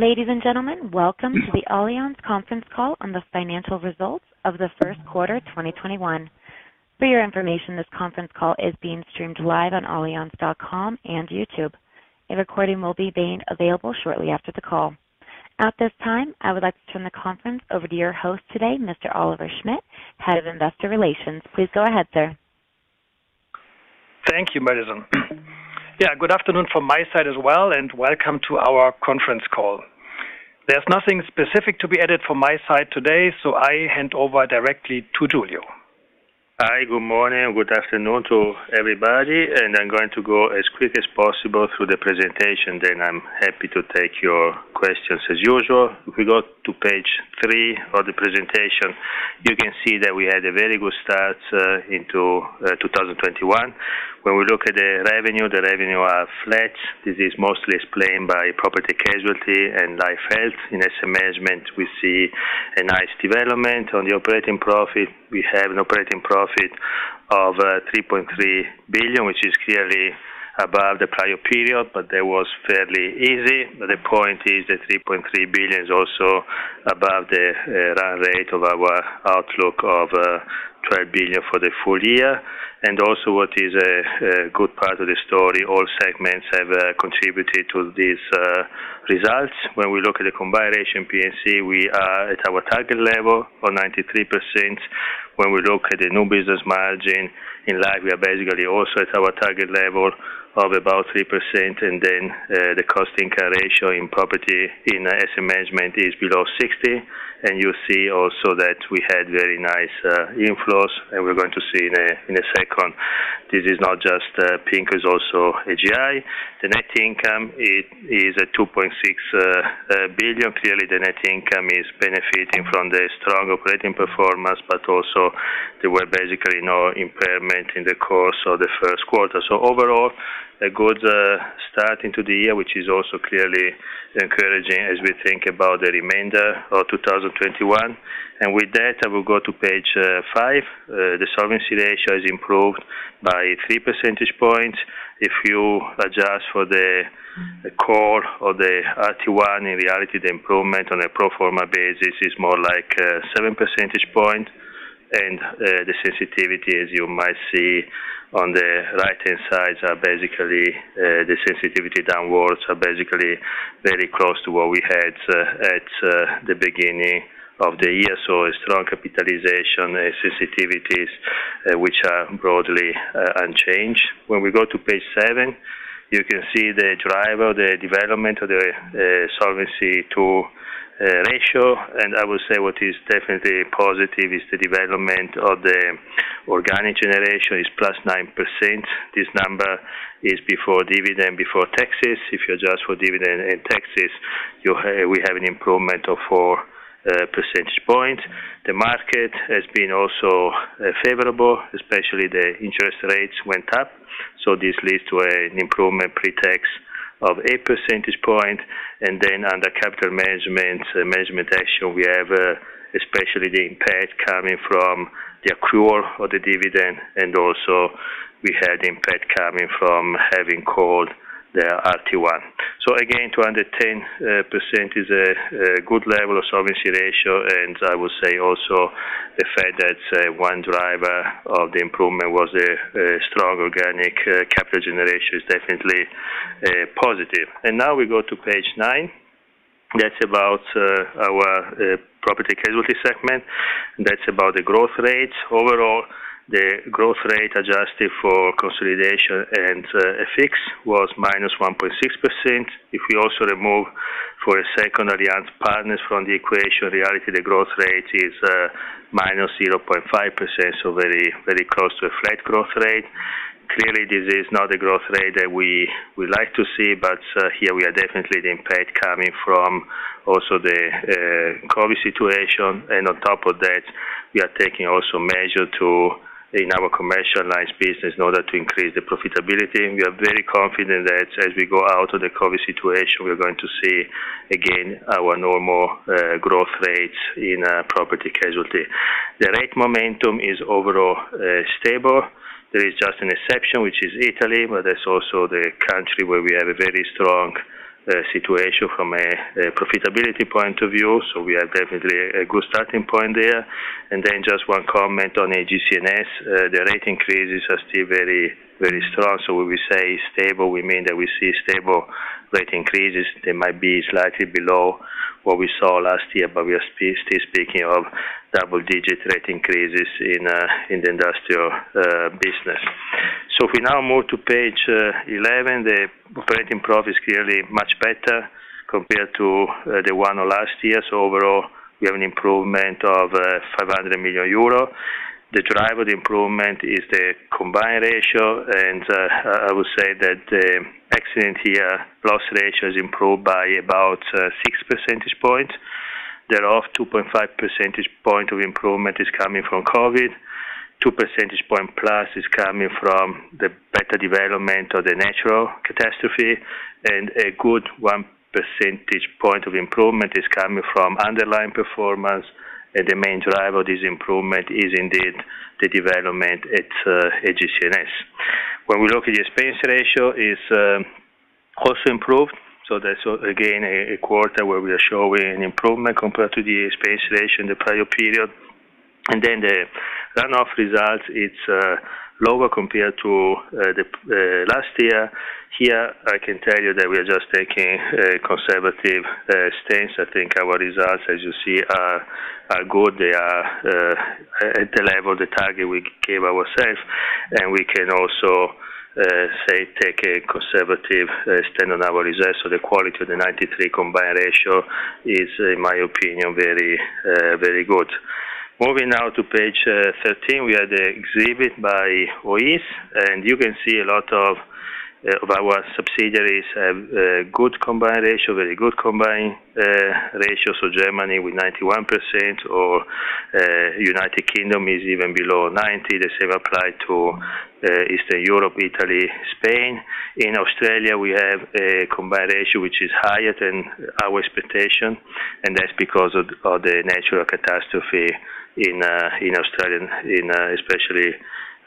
Ladies and gentlemen, welcome to the Allianz conference call on the financial results of the first quarter 2021. For your information, this conference call is being streamed live on allianz.com and YouTube. A recording will be made available shortly after the call. At this time, I would like to turn the conference over to your host today, Mr. Oliver Schmidt, Head of Investor Relations. Please go ahead, sir. Thank you, Madison. Good afternoon from my side as well. Welcome to our conference call. There's nothing specific to be added from my side today. I hand over directly to Giulio. Hi, good morning, good afternoon to everybody. I'm going to go as quick as possible through the presentation, then I'm happy to take your questions as usual. If we go to page three of the presentation, you can see that we had a very good start into 2021. When we look at the revenue, the revenue are flat. This is mostly explained by Property Casualty and Life Health. In Asset Management, we see a nice development. On the operating profit, we have an operating profit of 3.3 billion, which is clearly above the prior period, but that was fairly easy. The point is that 3.3 billion is also above the run rate of our outlook of 12 billion for the full year. Also what is a good part of the story, all segments have contributed to these results. We look at the combined ratio in P&C, we are at our target level of 93%. We look at the new business margin, in life, we are basically also at our target level of about 3%. The cost-income ratio in asset management is below 60. You see also that we had very nice inflows. We're going to see in a second, this is not just PIMCO, it is also AGI. The net income is at 2.6 billion. Clearly, the net income is benefiting from the strong operating performance, also there were basically no impairment in the course of the first quarter. Overall, a good start into the year, which is also clearly encouraging as we think about the remainder of 2021. With that, I will go to page five. The insolvency ratio has improved by three percentage points. If you adjust for the call of the RT1, in reality, the improvement on a pro forma basis is more like 7 percentage points. The sensitivity, as you might see on the right-hand side, the sensitivity downwards are basically very close to what we had at the beginning of the year. A strong capitalization sensitivities, which are broadly unchanged. When we go to page seven, you can see the driver, the development of the Solvency II ratio. I would say what is definitely positive is the development of the organic generation is plus 9%. This number is before dividend, before taxes. If you adjust for dividend and taxes, we have an improvement of 4 percentage points. The market has been also favorable, especially the interest rates went up. This leads to an improvement pre-tax of 8 percentage points. Under capital management action, we have especially the impact coming from the accrual of the dividend, also we had impact coming from having called the RT1. Again, 210% is a good level of solvency ratio, I would say also the fact that one driver of the improvement was a strong organic capital generation is definitely positive. Now we go to page nine. That's about our Property and Casualty segment. That's about the growth rates. Overall, the growth rate adjusted for consolidation and FX was -1.6%. If we also remove for a second Allianz Partners from the equation, in reality, the growth rate is -0.5%, very close to a flat growth rate. Clearly, this is not the growth rate that we like to see, but here we are definitely the impact coming from also the COVID situation. On top of that, we are taking also measure in our commercial lines business in order to increase the profitability. We are very confident that as we go out of the COVID situation, we are going to see, again, our normal growth rates in Property Casualty. The rate momentum is overall stable. There is just an exception, which is Italy, but that's also the country where we have a very strong situation from a profitability point of view. We are definitely a good starting point there. Then just one comment on AGCS. The rate increases are still very strong. When we say stable, we mean that we see stable rate increases. They might be slightly below what we saw last year, but we are still speaking of double-digit rate increases in the industrial business. If we now move to page 11, the operating profit is clearly much better compared to the one of last year. Overall, we have an improvement of 500 million euro. The driver improvement is the combined ratio, and I would say that the accident year, loss ratio, has improved by about six percentage points. Thereof, 2.5 percentage point of improvement is coming from COVID. Two percentage point plus is coming from the better development of the natural catastrophe, and a good one percentage point of improvement is coming from underlying performance. The main driver of this improvement is indeed the development at AGCS. When we look at the expense ratio, it's also improved. That's again, a quarter where we are showing an improvement compared to the expense ratio in the prior period. The runoff results, it's lower compared to last year. Here, I can tell you that we are just taking a conservative stance. I think our results, as you see, are good. They are at the level, the target we gave ourselves, and we can also say, take a conservative stand on our reserves. The quality of the 93 combined ratio is, in my opinion, very good. Moving now to page 13. We have the exhibit by OE, you can see a lot of our subsidiaries have good combined ratios, very good combined ratios. Germany with 91% or United Kingdom is even below 90%. The same applies to Eastern Europe, Italy, Spain. In Australia, we have a combined ratio which is higher than our expectation, that's because of the natural catastrophe in Australia, especially,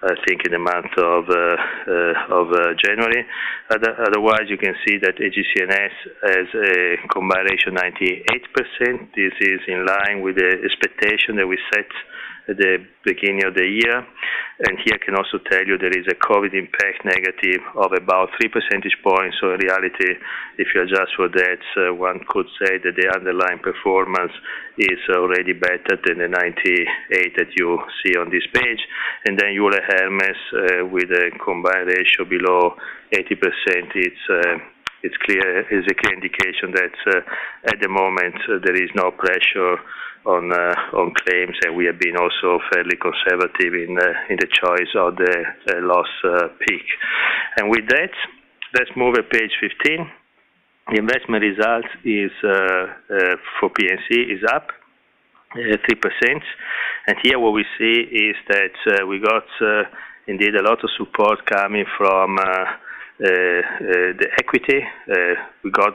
I think in the month of January. Otherwise, you can see that AGCS has a combined ratio, 92%. This is in line with the expectation that we set at the beginning of the year. Here, I can also tell you there is a COVID impact negative of about 3 percentage points. In reality, if you adjust for that, one could say that the underlying performance is already better than the 92 that you see on this page. Then you will have Hermes with a combined ratio below 80%. It's a clear indication that at the moment, there is no pressure on claims, and we have been also fairly conservative in the choice of the loss pick. With that, let's move at page 15. The investment result for P&C is up 3%. Here what we see is that we got indeed a lot of support coming from the equity. We got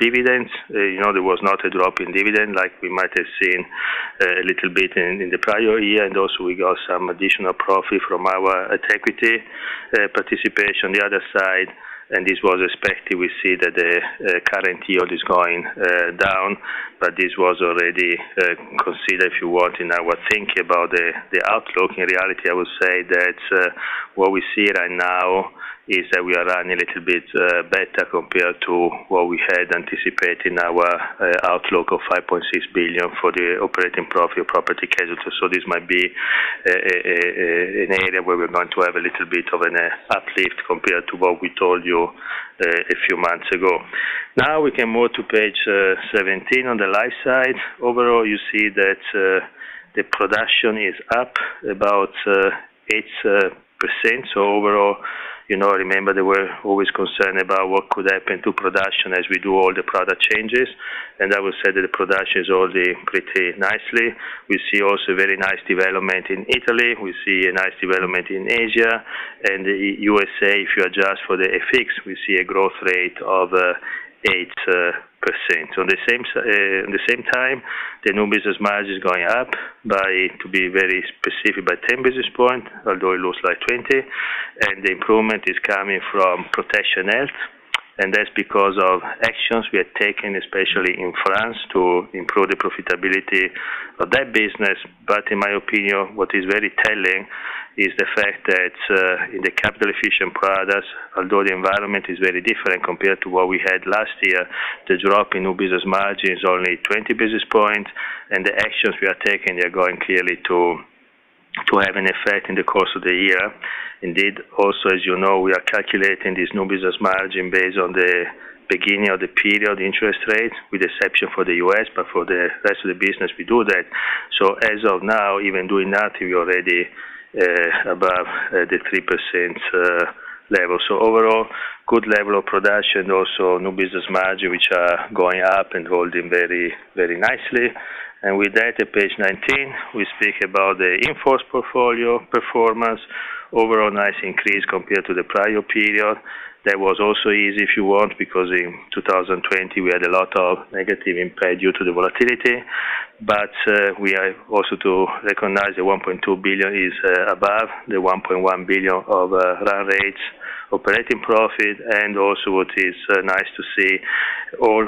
dividends. There was not a drop in dividend like we might have seen a little bit in the prior year. Also we got some additional profit from our equity participation. The other side, this was expected, we see that the current yield is going down. This was already considered, if you want, in our thinking about the outlook. In reality, I would say that what we see right now is that we are running a little bit better compared to what we had anticipated in our outlook of 5.6 billion for the operating profit Property & Casualty. This might be an area where we're going to have a little bit of an uplift compared to what we told you a few months ago. We can move to page 17 on the life side. Overall, you see that the production is up about 8%. Overall, remember they were always concerned about what could happen to production as we do all the product changes. I would say that the production is holding pretty nicely. We see also very nice development in Italy. We see a nice development in Asia and U.S.A. If you adjust for the FX, we see a growth rate of 8%. On the same time, the new business margin is going up by, to be very specific, by 10 basis points, although it looks like 20. The improvement is coming from protection health, and that's because of actions we are taking, especially in France, to improve the profitability of that business. In my opinion, what is very telling is the fact that in the capital efficient products, although the environment is very different compared to what we had last year, the drop in new business margin is only 20 basis points, and the actions we are taking are going clearly to have an effect in the course of the year. Indeed, also, as you know, we are calculating this new business margin based on the beginning of the period interest rate, with exception for the U.S., but for the rest of the business, we do that. As of now, even doing that, we already above the 3% level. Overall, good level of production. New business margin, which are going up and holding very nicely. With that, at page 19, we speak about the in-force portfolio performance. Overall, nice increase compared to the prior period. That was also easy, if you want, because in 2020, we had a lot of negative impact due to the volatility. We are also to recognize the 1.2 billion is above the 1.1 billion of runoff operating profit. Also what is nice to see, all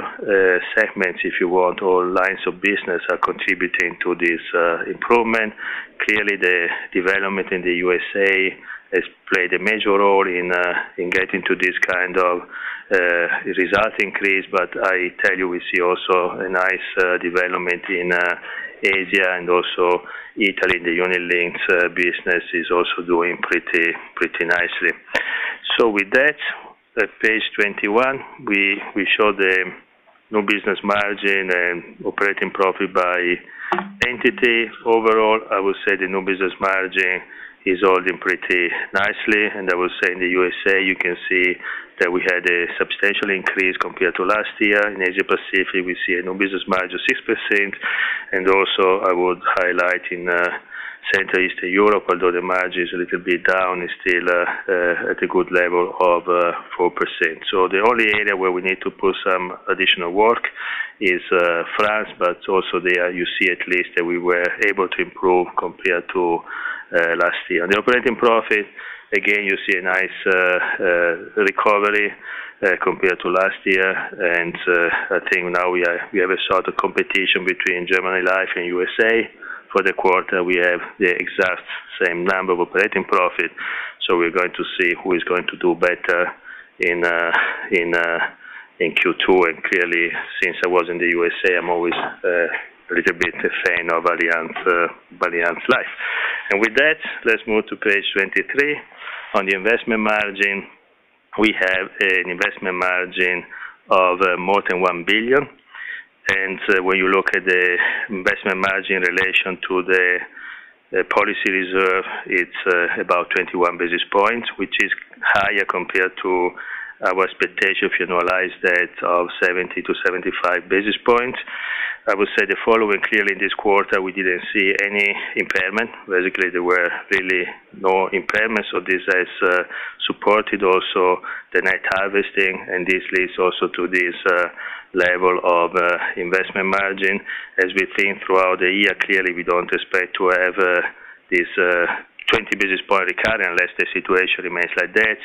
segments, if you want, all lines of business are contributing to this improvement. Clearly, the development in the U.S.A. has played a major role in getting to this kind of result increase. I tell you, we see also a nice development in Asia and also Italy. The unit-linked business is also doing pretty nicely. With that, at page 21, we show the new business margin and operating profit by entity. Overall, I would say the new business margin is holding pretty nicely. I would say in the U.S.A., you can see that we had a substantial increase compared to last year. In Asia-Pacific, we see a new business margin of 6%. Also I would highlight in Central Eastern Europe, although the margin is a little bit down, it's still at a good level of 4%. The only area where we need to put some additional work is France, but also there you see at least that we were able to improve compared to last year. The operating profit, again, you see a nice recovery compared to last year. I think now we have a sort of competition between Germany Life and U.S.A. For the quarter, we have the exact same number of operating profit. We're going to see who is going to do better in Q2. Clearly, since I was in the U.S.A., I'm always a little bit a fan of Allianz Life. With that, let's move to page 23. On the investment margin, we have an investment margin of more than 1 billion. When you look at the investment margin in relation to the policy reserve, it's about 21 basis points, which is higher compared to our expectation if you annualize that of 70-75 basis points. I would say the following, clearly, this quarter, we didn't see any impairment. Basically, there were really no impairments. This has supported also the net harvesting, this leads also to this level of investment margin. As we think throughout the year, clearly, we don't expect to have this 20 basis point recovery unless the situation remains like that.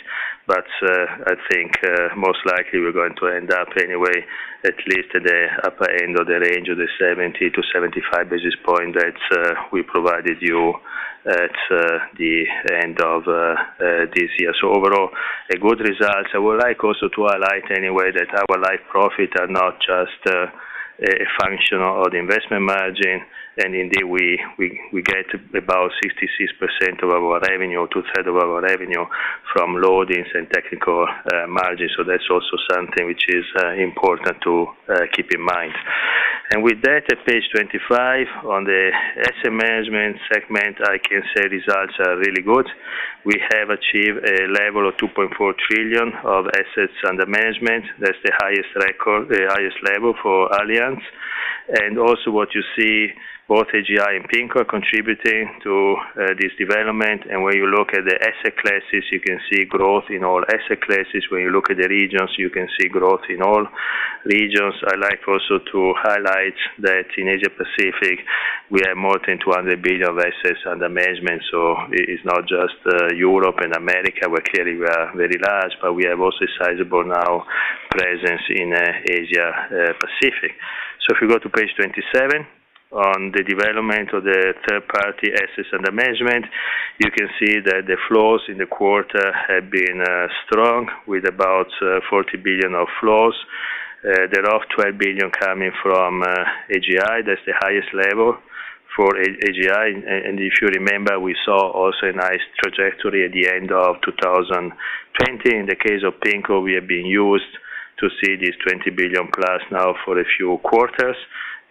I think, most likely we're going to end up anyway, at least at the upper end of the range of the 70-75 basis points that we provided you at the end of this year. Overall, good results. I would like also to highlight anyway that our life profits are not just a function of the investment margin. Indeed, we get about 66% of our revenue, two-thirds of our revenue from loadings and technical margins. That's also something which is important to keep in mind. With that, at page 25, on the Asset Management segment, I can say results are really good. We have achieved a level of 2.4 trillion of assets under management. That's the highest level for Allianz. Also what you see, both AGI and PIMCO contributing to this development. When you look at the asset classes, you can see growth in all asset classes. When you look at the regions, you can see growth in all regions. I like also to highlight that in Asia-Pacific, we have more than 200 billion of assets under management. It is not just Europe and America, where clearly we are very large, but we have also sizable now presence in Asia-Pacific. If you go to page 27, on the development of the third party assets under management, you can see that the flows in the quarter have been strong with about 40 billion of flows. Thereof, 12 billion coming from AGI. That's the highest level for AGI. If you remember, we saw also a nice trajectory at the end of 2020. In the case of PIMCO, we have been used to see this 20 billion plus now for a few quarters.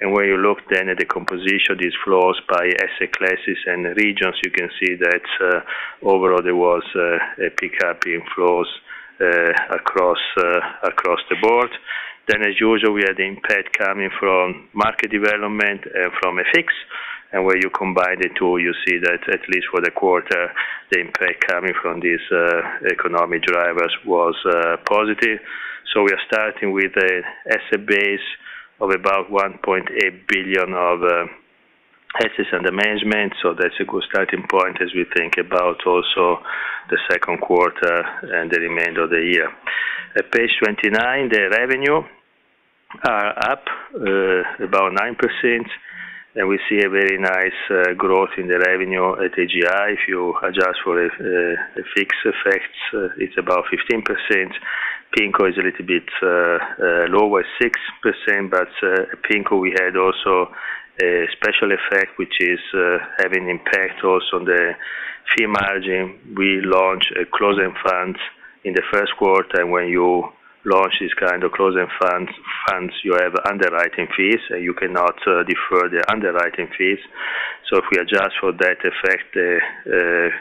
When you look then at the composition, these flows by asset classes and regions, you can see that overall there was a pickup in flows across the board. As usual, we had the impact coming from market development from FX. Where you combine the two, you see that at least for the quarter, the impact coming from these economic drivers was positive. We are starting with a asset base of about 1.8 trillion of assets under management. That's a good starting point as we think about also the second quarter and the remainder of the year. At page 29, the revenue are up about 9%, and we see a very nice growth in the revenue at AGI. If you adjust for FX effects, it's about 15%. PIMCO is a little bit lower, 6%, but PIMCO we had also a special effect, which is having impact also on the fee margin. We launch a closed-end fund in the first quarter, and when you launch this kind of closed-end funds, you have underwriting fees, and you cannot defer the underwriting fees. If we adjust for that effect,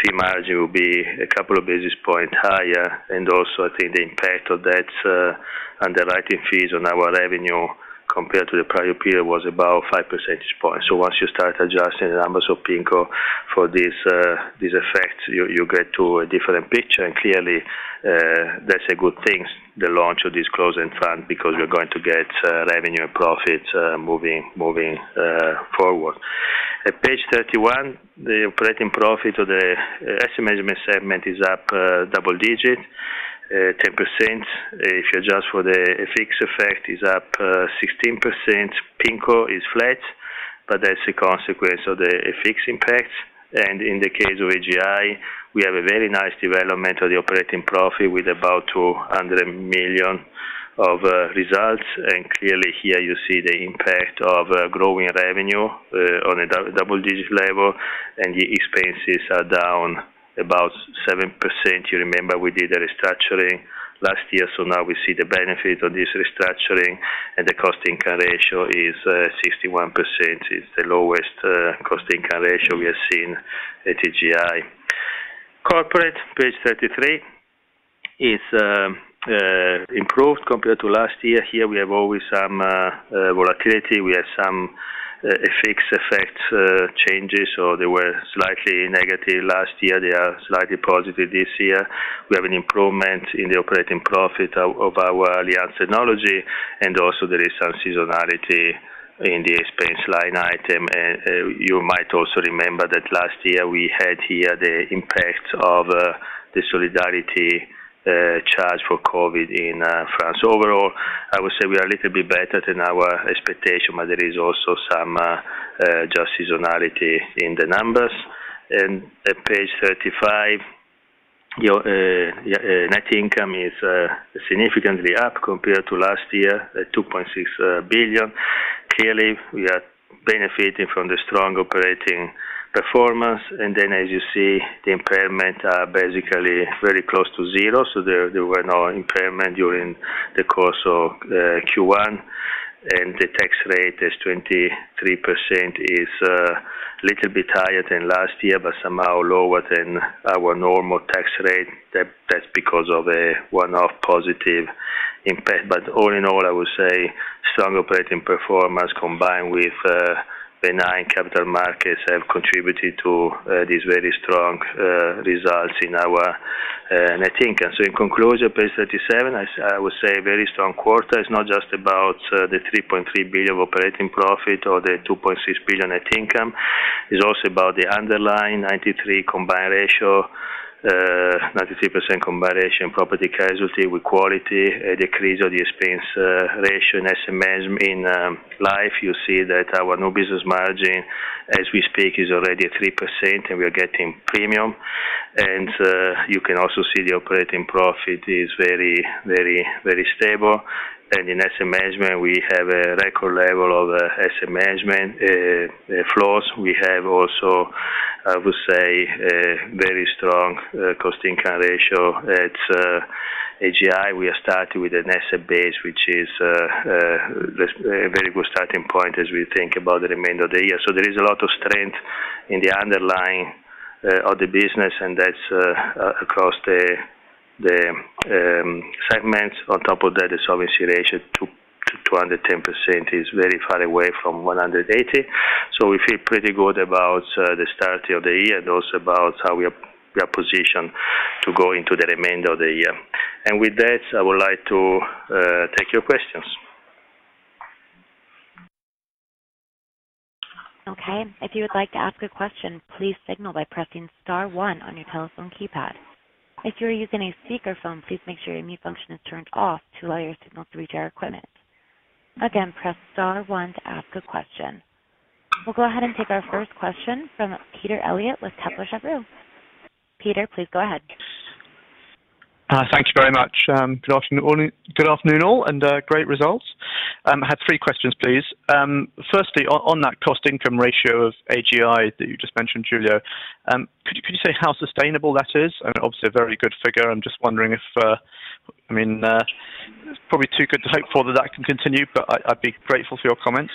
fee margin will be a couple of basis point higher. Also, I think the impact of that underwriting fees on our revenue compared to the prior period was about five percentage point. Once you start adjusting the numbers of PIMCO for this effect, you get to a different picture. Clearly, that's a good thing, the launch of this closed-end fund, because we're going to get revenue and profit moving forward. At page 31, the operating profit of the Asset Management segment is up double-digit, 10%. If you adjust for the FX effect, it's up 16%. PIMCO is flat, but that's a consequence of the FX impact. In the case of AGI, we have a very nice development of the operating profit with about 200 million of results. Clearly here you see the impact of growing revenue on a double-digit level, and the expenses are down about 7%. You remember we did a restructuring last year, so now we see the benefit of this restructuring, and the cost-income ratio is 61%. It's the lowest cost-income ratio we have seen at AGI. Corporate, page 33, is improved compared to last year. Here we have always some volatility. We have some FX effects changes, so they were slightly negative last year, they are slightly positive this year. We have an improvement in the operating profit of our Allianz Technology, and also there is some seasonality in the expense line item. You might also remember that last year we had here the impact of the solidarity charge for COVID in France. Overall, I would say we are a little bit better than our expectation, but there is also some just seasonality in the numbers. At page 35, net income is significantly up compared to last year, at 2.6 billion. Clearly, we are benefiting from the strong operating performance. As you see, the impairment are basically very close to zero, so there were no impairment during the course of Q1. The tax rate is 23%, is a little bit higher than last year, but somehow lower than our normal tax rate. That's because of a one-off positive impact. All in all, I would say strong operating performance combined with benign capital markets have contributed to these very strong results in our net income. In conclusion, page 37, I would say a very strong quarter. It's not just about the 3.3 billion operating profit or the 2.6 billion net income. It's also about the underlying 93.5% combined ratio in Property-Casualty with quality, a decrease of the expense ratio in Asset Management. In Life, you see that our new business margin, as we speak, is already at 3.4% and we are getting premium. You can also see the operating profit is very stable. In Asset Management, we have a record level of Asset Management flows. We have also, I would say, a very strong cost-income ratio, At AGI, we are starting with an asset base, which is a very good starting point as we think about the remainder of the year. There is a lot of strength in the underlying of the business, and that's across the segments. On top of that, the solvency ratio to 210% is very far away from 180%. We feel pretty good about the starting of the year and also about how we are positioned to go into the remainder of the year. With that, I would like to take your questions. Okay. If you would like to ask a question, please signal by pressing star one on your telephone keypad. If you are using a speakerphone, please make sure your mute function is turned off to allow your signal to reach our equipment. Again, press star one to ask a question. We'll go ahead and take our first question from Peter Eliot with Kepler Cheuvreux. Peter, please go ahead. Thanks very much. Good afternoon all, great results. I have three questions, please. Firstly, on that cost-income ratio of AGI that you just mentioned, Giulio. Could you say how sustainable that is? Obviously a very good figure. I'm just wondering if, probably too good to hope for that can continue, I'd be grateful for your comments.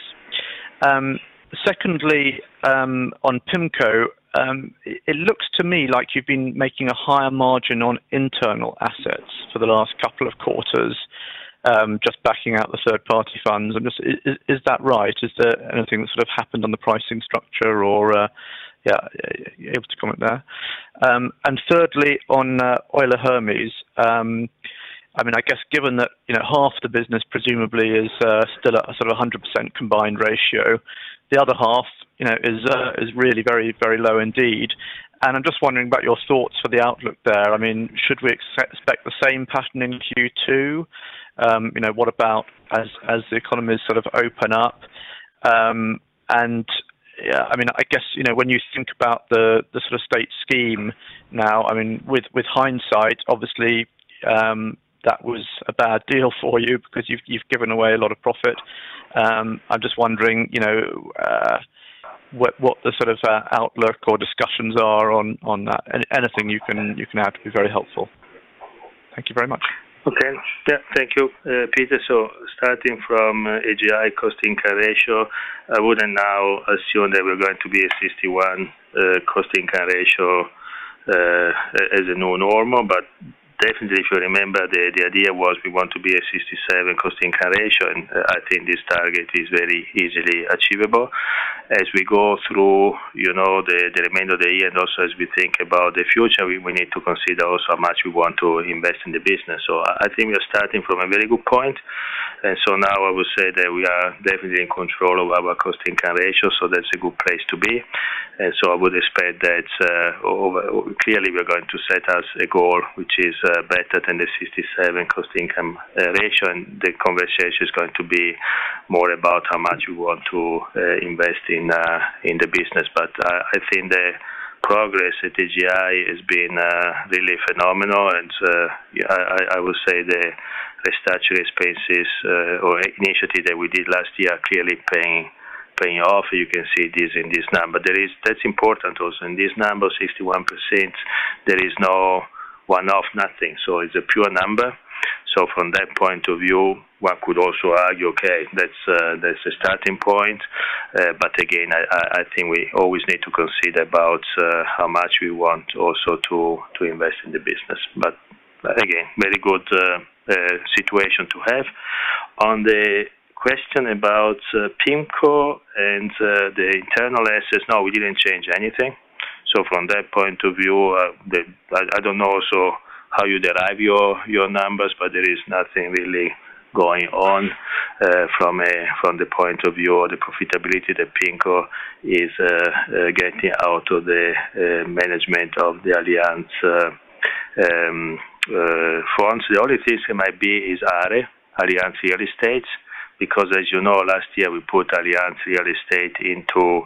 Secondly, on PIMCO, it looks to me like you've been making a higher margin on internal assets for the last couple of quarters, just backing out the third-party funds. Is that right? Is there anything that sort of happened on the pricing structure or are you able to comment there? Thirdly, on Euler Hermes. I guess given that half the business presumably is still at a sort of 100% combined ratio, the other half is really very low indeed. I'm just wondering about your thoughts for the outlook there. Should we expect the same pattern in Q2? What about as the economies sort of open up? I guess, when you think about the sort of state scheme now, with hindsight, obviously, that was a bad deal for you because you've given away a lot of profit. I'm just wondering what the sort of outlook or discussions are on that. Anything you can add would be very helpful. Thank you very much. Okay. Yeah, thank you, Peter. Starting from AGI cost-income ratio, I wouldn't now assume that we're going to be at 61 cost-income ratio as a new normal. Definitely, if you remember, the idea was we want to be at 67 cost-income ratio, and I think this target is very easily achievable. As we go through the remainder of the year and also as we think about the future, we need to consider also how much we want to invest in the business. I think we are starting from a very good point. Now I would say that we are definitely in control of our cost-income ratio, so that's a good place to be. I would expect that, clearly we're going to set us a goal which is better than the 67 cost-income ratio, and the conversation is going to be more about how much we want to invest in the business. I think the progress at AGI has been really phenomenal, and I would say the strategic expenses or initiatives that we did last year are clearly paying off. You can see this in this number. That's important also. In this number, 61%, there is no one-off, nothing. It's a pure number. From that point of view, one could also argue, okay, that's a starting point. Again, I think we always need to consider about how much we want also to invest in the business. Again, very good situation to have. On the question about PIMCO and the internal assets, no, we didn't change anything. From that point of view, I don't know also how you derive your numbers, but there is nothing really going on from the point of view of the profitability that PIMCO is getting out of the management of the Allianz funds. The only thing might be is ARE, Allianz Real Estate, because as you know, last year we put Allianz Real Estate into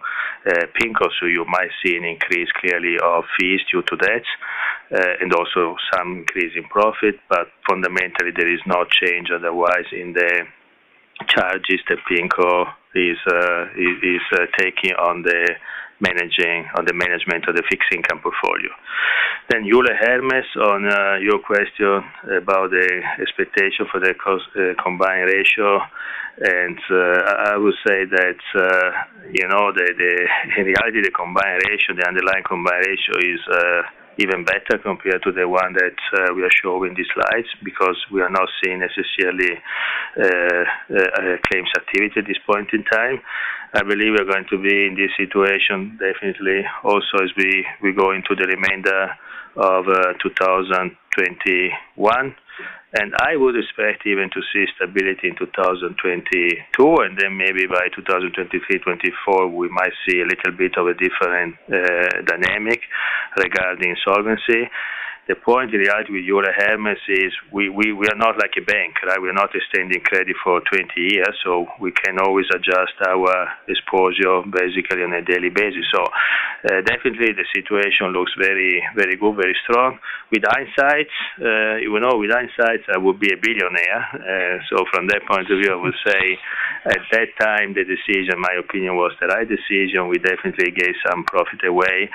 PIMCO, so you might see an increase clearly of fees due to that, and also some increase in profit. Fundamentally, there is no change otherwise in the charges that PIMCO is taking on the management of the fixed income portfolio. Euler Hermes, on your question about the expectation for the combined ratio. I would say that in reality, the combined ratio, the underlying combined ratio is even better compared to the one that we are showing in the slides, because we are not seeing necessarily claims activity at this point in time. I believe we're going to be in this situation definitely also as we go into the remainder of 2021. I would expect even to see stability in 2022, then maybe by 2023, 2024, we might see a little bit of a different dynamic regarding solvency. The point in reality with Euler Hermes is we are not like a bank. We are not extending credit for 20 years, so we can always adjust our exposure basically on a daily basis. Definitely the situation looks very good, very strong. With hindsight, you know with hindsight, I would be a billionaire. From that point of view, I would say at that time, the decision, in my opinion, was the right decision. We definitely gave some profit away,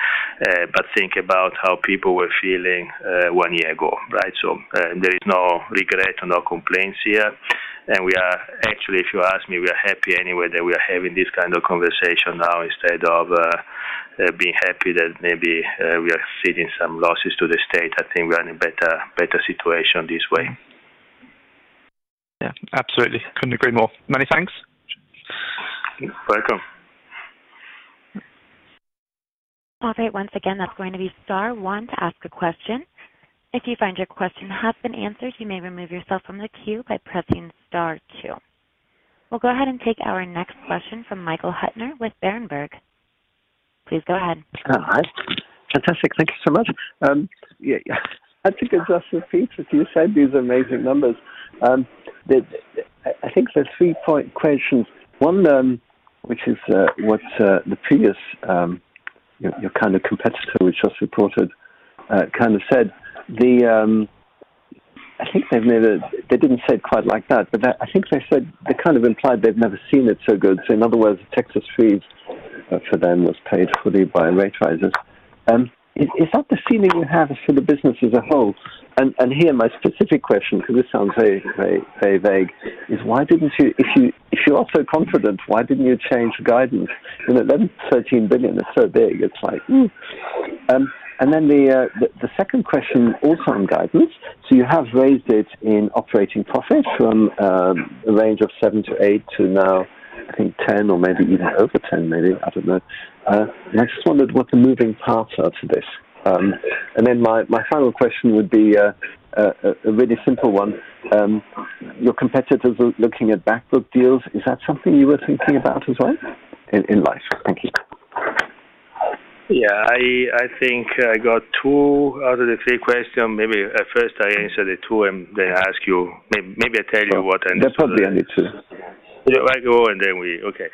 but think about how people were feeling one year ago, right? There is no regret or no complaints here. We are actually, if you ask me, we are happy anyway that we are having this kind of conversation now instead of being happy that maybe we are ceding some losses to the state. I think we are in a better situation this way. Yeah, absolutely. Couldn't agree more. Many thanks. You're welcome. Okay. Once again, that's going to be star one to ask a question. If you find your question has been answered, you may remove yourself from the queue by pressing star two. We'll go ahead and take our next question from Michael Huttner with Berenberg. Please go ahead. Hi. Fantastic. Thank you so much. I think it's just for Peter, you said these amazing numbers. I think there's three point questions. One, which is what the previous, your kind of competitor which just reported, kind of said. I think they didn't say it quite like that, but I think they kind of implied they've never seen it so good. In other words, the Texas Freeze for them was paid fully by rate rises. Is that the feeling you have for the business as a whole? Here, my specific question, because this sounds very vague, is if you're all so confident, why didn't you change the guidance? That 12 billion is so big, it's like, ooh. The second question, also on guidance. You have raised it in operating profit from a range of 7 billion-8 billion to now, I think 10 million or maybe even over 10 billion maybe, I don't know. I just wondered what the moving parts are to this. My final question would be a really simple one. Your competitors are looking at back book deals. Is that something you were thinking about as well in life? Thank you. I think I got two out of the three questions. Maybe at first I answer the two and then I ask you. Maybe I tell you what I understand. They're probably only two. Okay.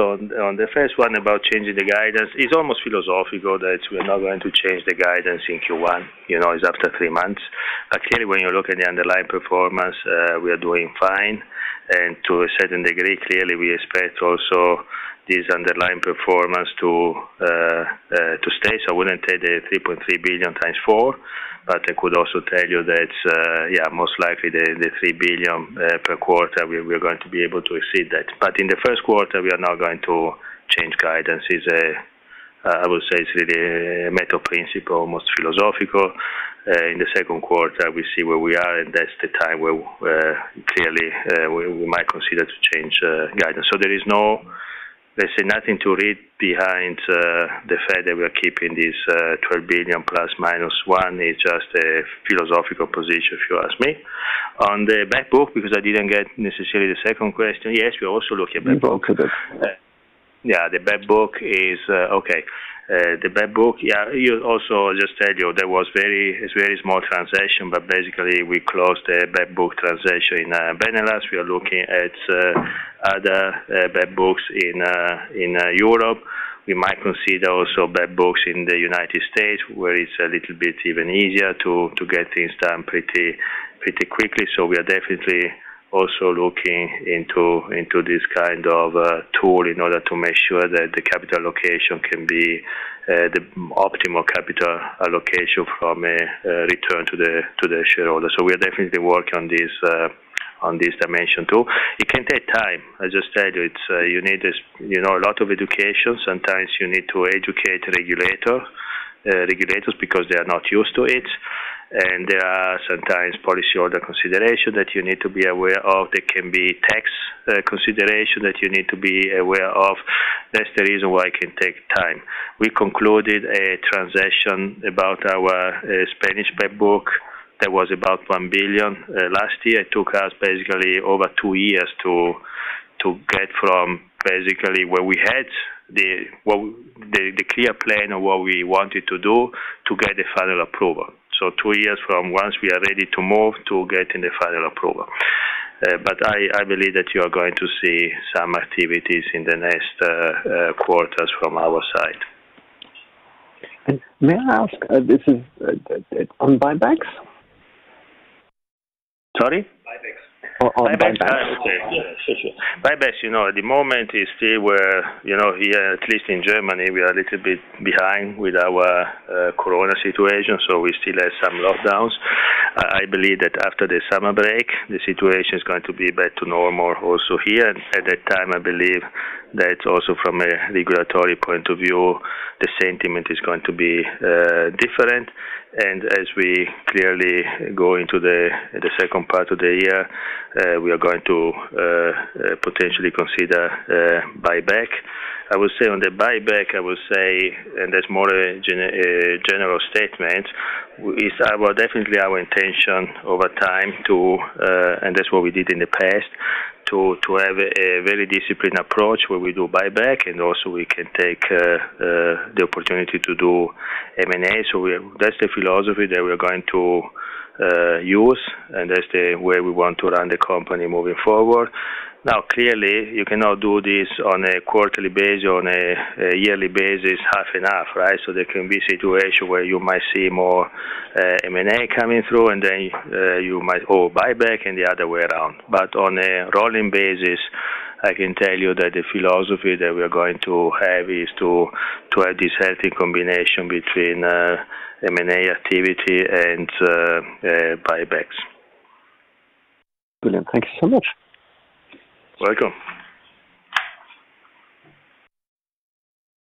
On the first one about changing the guidance, it's almost philosophical that we're not going to change the guidance in Q1. It's after three months. Actually, when you look at the underlying performance, we are doing fine, and to a certain degree, clearly, we expect also this underlying performance to stay. I wouldn't take the 3.3 billion times 4, I could also tell you that, yeah, most likely the 3 billion per quarter, we're going to be able to exceed that. In the first quarter, we are not going to change guidance. I would say it's really a matter of principle, almost philosophical. In the second quarter, we see where we are, and that's the time where clearly, we might consider to change guidance. There is nothing to read behind the fact that we are keeping this 12 billion ±1. It's just a philosophical position, if you ask me. On the back book, because I didn't get necessarily the second question. Yes, we are also looking at back book. Okay. Yeah. The back book is Okay. The back book, yeah. I'll just tell you, there was very small transaction, but basically, we closed a back book transaction in. We are looking at other back books in Europe. We might consider also back books in the United States, where it's a little bit even easier to get things done pretty quickly. We are definitely also looking into this kind of tool in order to make sure that the capital allocation can be the optimal capital allocation from a return to the shareholders. We are definitely working on this dimension too. It can take time. As I said, you need a lot of education. Sometimes you need to educate regulators, because they are not used to it. There are sometimes policyholder consideration that you need to be aware of. There can be tax consideration that you need to be aware of. That's the reason why it can take time. We concluded a transaction about our Spanish back book that was about 1 billion last year. It took us basically over two years to get from basically where we had the clear plan of what we wanted to do to get the final approval. Two years from once we are ready to move to getting the final approval. I believe that you are going to see some activities in the next quarters from our side. May I ask, this is on buybacks? Sorry? Buybacks. On buybacks. Buybacks, at the moment, at least in Germany, we are a little bit behind with our Corona situation, so we still have some lockdowns. I believe that after the summer break, the situation is going to be back to normal also here. At that time, I believe that also from a regulatory point of view, the sentiment is going to be different. As we clearly go into the second part of the year, we are going to potentially consider buyback. I would say on the buyback, I would say, and that's more a general statement, it's definitely our intention over time to, and that's what we did in the past, to have a very disciplined approach where we do buyback and also we can take the opportunity to do M&A. That's the philosophy that we're going to use, and that's the way we want to run the company moving forward. Clearly, you cannot do this on a quarterly basis, on a yearly basis, half-and-half, right? There can be situation where you might see more M&A coming through, and then you might owe buyback and the other way around. On a rolling basis, I can tell you that the philosophy that we're going to have is to have this healthy combination between M&A activity and buybacks. Brilliant. Thank you so much. Welcome.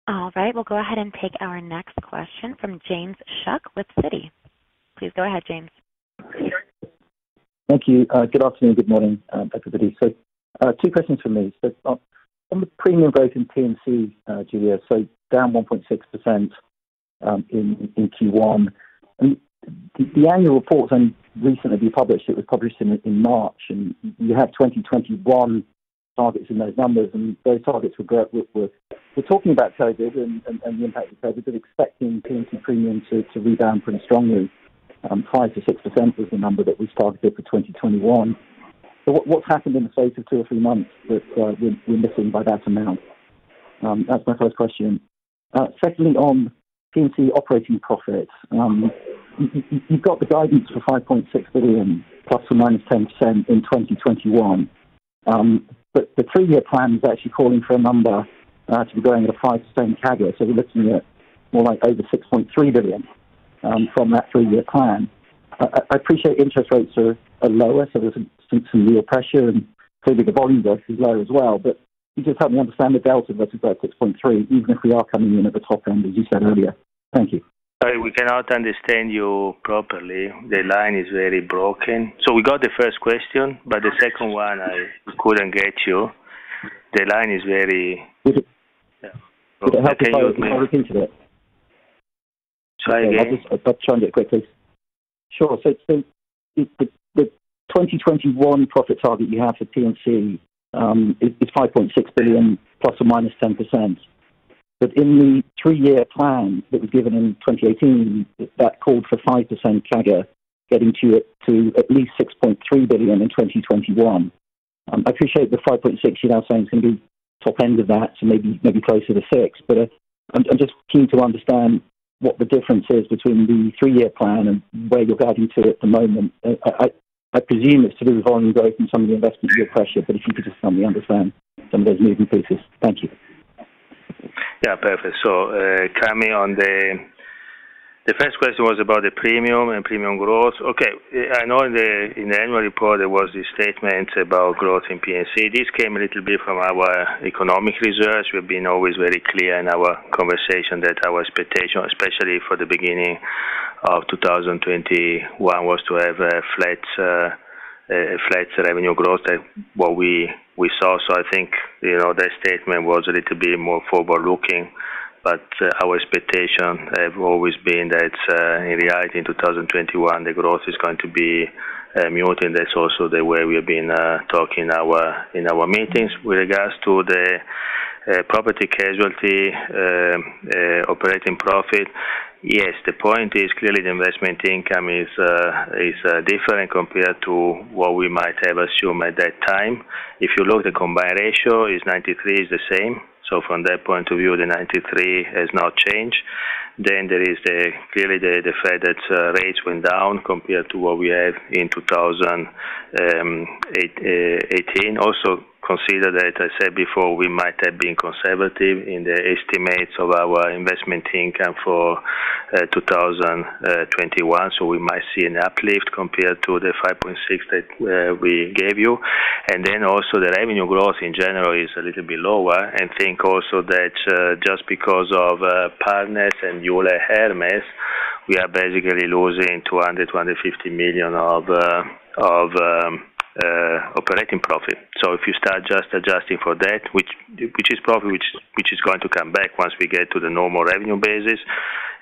All right. We'll go ahead and take our next question from James Shuck with Citi. Please go ahead, James. Thank you. Good afternoon, good morning, everybody. Two questions from me. On the premium growth in P&C, Giulio, down 1.6% in Q1. The annual report has only recently been published, it was published in March, and you have 2021 targets in those numbers, and those targets were growing. We're talking about COVID and the impact of COVID, expecting P&C premium to rebound pretty strongly, 5%-6% was the number that we targeted for 2021. What's happened in the space of two or three months that we're missing by that amount? That's my first question. Secondly, on P&C operating profit. You've got the guidance for 5.6 billion, plus or minus 10% in 2021. The three-year plan is actually calling for a number to be growing at a 5% CAGR. We're looking at more like over 6.3 billion from that three-year plan. I appreciate interest rates are lower, so there's some real pressure, and clearly the volume growth is lower as well. Can you just help me understand the delta versus that 6.3 billion, even if we are coming in at the top end, as you said earlier? Thank you. Sorry, we cannot understand you properly. The line is very broken. We got the first question, but the second one, I couldn't get you. Would it help if I look into it? Try again. I've turned it quickly. Sure. The 2021 profit target you have for P&C, is 5.6 billion ±10%. In the three-year plan that was given in 2018, that called for 5% CAGR, getting to at least 6.3 billion in 2021. I appreciate the 5.6 billion you're now saying is going to be top end of that, so maybe closer to 6 billion. I'm just keen to understand what the difference is between the three-year plan and where you're guiding to at the moment. I presume it's to do with volume growth and some of the investment yield pressure, but if you could just help me understand some of those moving pieces. Thank you. Yeah, perfect. Coming on the first question was about the premium and premium growth. Okay. I know in the annual report, there was a statement about growth in P&C. This came a little bit from our economic research. We've been always very clear in our conversation that our expectation, especially for the beginning of 2021, was to have a flat revenue growth than what we saw. I think that statement was a little bit more forward-looking, but our expectation have always been that in reality, in 2021, the growth is going to be mute, and that's also the way we've been talking in our meetings. With regards to the Property-Casualty operating profit, yes, the point is clearly the investment income is different compared to what we might have assumed at that time. If you look, the combined ratio is 93%, is the same. From that point of view, the 93% has not changed. There is clearly the fact that rates went down compared to what we had in 2018. Consider that, I said before, we might have been conservative in the estimates of our investment income for 2021, so we might see an uplift compared to the 5.6 billion that we gave you. The revenue growth in general is a little bit lower. Think also that just because of Partners and Euler Hermes, we are basically losing 200 million-250 million of operating profit. If you start just adjusting for that, which is profit, which is going to come back once we get to the normal revenue basis.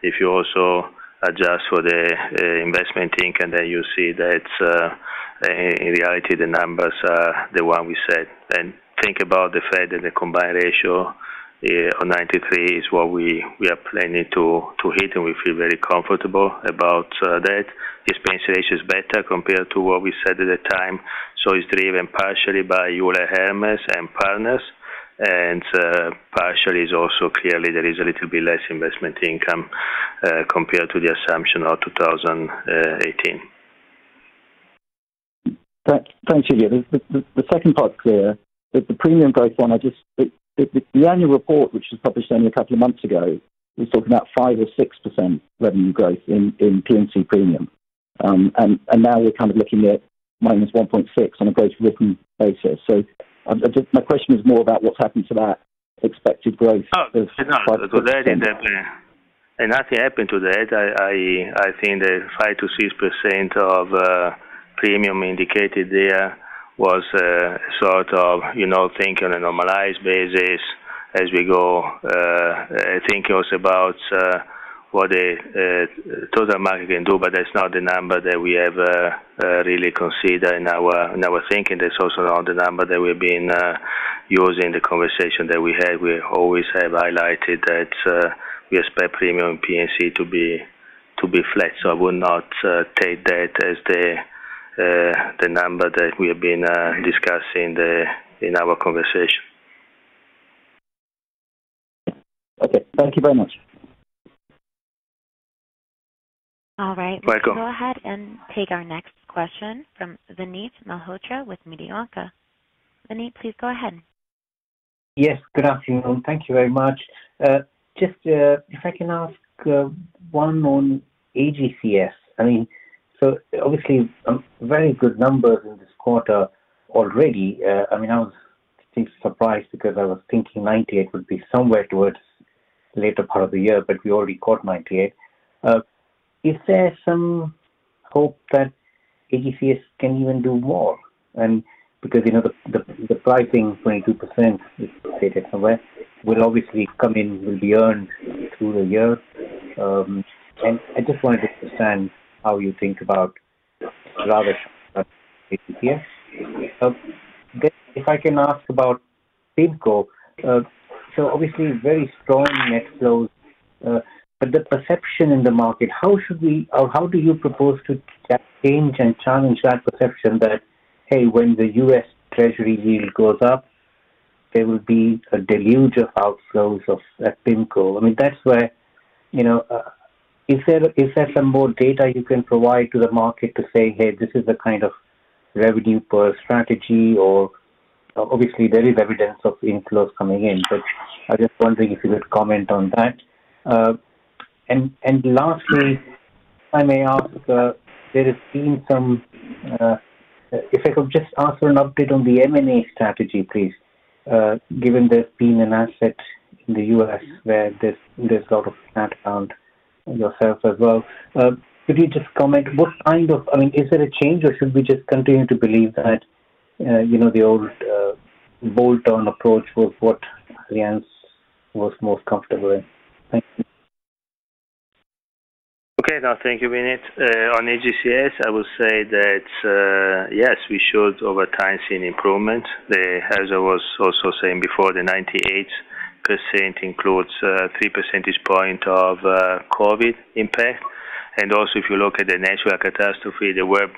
If you also adjust for the investment income, you see that in reality, the numbers are the one we said. Think about the fact that the combined ratio on 93% is what we are planning to hit, and we feel very comfortable about that. Expense ratio is better compared to what we said at the time. It's driven partially by Euler Hermes and Partners, and partially is also clearly there is a little bit less investment income compared to the assumption of 2018. Thanks again. The second part is clear. The premium growth one, the annual report, which was published only a couple of months ago, was talking about 5% or 6% revenue growth in P&C premium. Now we're kind of looking at -1.6% on a gross written basis. My question is more about what's happened to that expected growth of 5%-6%. Nothing happened to that. I think the 5%-6% of premium indicated there was sort of think on a normalized basis as we go. Think also about what the total market can do, that's not the number that we ever really consider in our thinking. That's also not the number that we've been using the conversation that we had. We always have highlighted that we expect premium P&C to be flat. I would not take that as the number that we have been discussing in our conversation. Okay. Thank you very much. All right. You're welcome. We'll go ahead and take our next question from Vinit Malhotra with Mediobanca. Vinit, please go ahead. Yes, good afternoon. Thank you very much. Just if I can ask one on AGCS. Obviously, very good numbers in this quarter already. I was surprised because I was thinking 92% would be somewhere towards later part of the year, but we already caught 92%. Is there some hope that AGCS can even do more? The pricing, 22%, is stated somewhere, will obviously come in, will be earned through the year. I just wanted to understand how you think about AGCS. If I can ask about PIMCO. Obviously very strong net flows, but the perception in the market, how do you propose to change and challenge that perception that, hey, when the U.S. Treasury yield goes up, there will be a deluge of outflows of PIMCO? Is there some more data you can provide to the market to say, hey, this is the kind of revenue per strategy or obviously there is evidence of inflows coming in, but I'm just wondering if you could comment on that. Lastly, if I could just ask for an update on the M&A strategy, please. Given there's been an asset in the U.S. where there's sort of yourself as well. Could you just comment? Is there a change or should we just continue to believe that the old bolt-on approach was what Allianz was most comfortable in? Thank you. No, thank you, Vinit. On AGCS, I will say that yes, we should over time see an improvement. As I was also saying before, the 92% includes 3 percentage point of COVID impact. Also if you look at the natural catastrophe, they were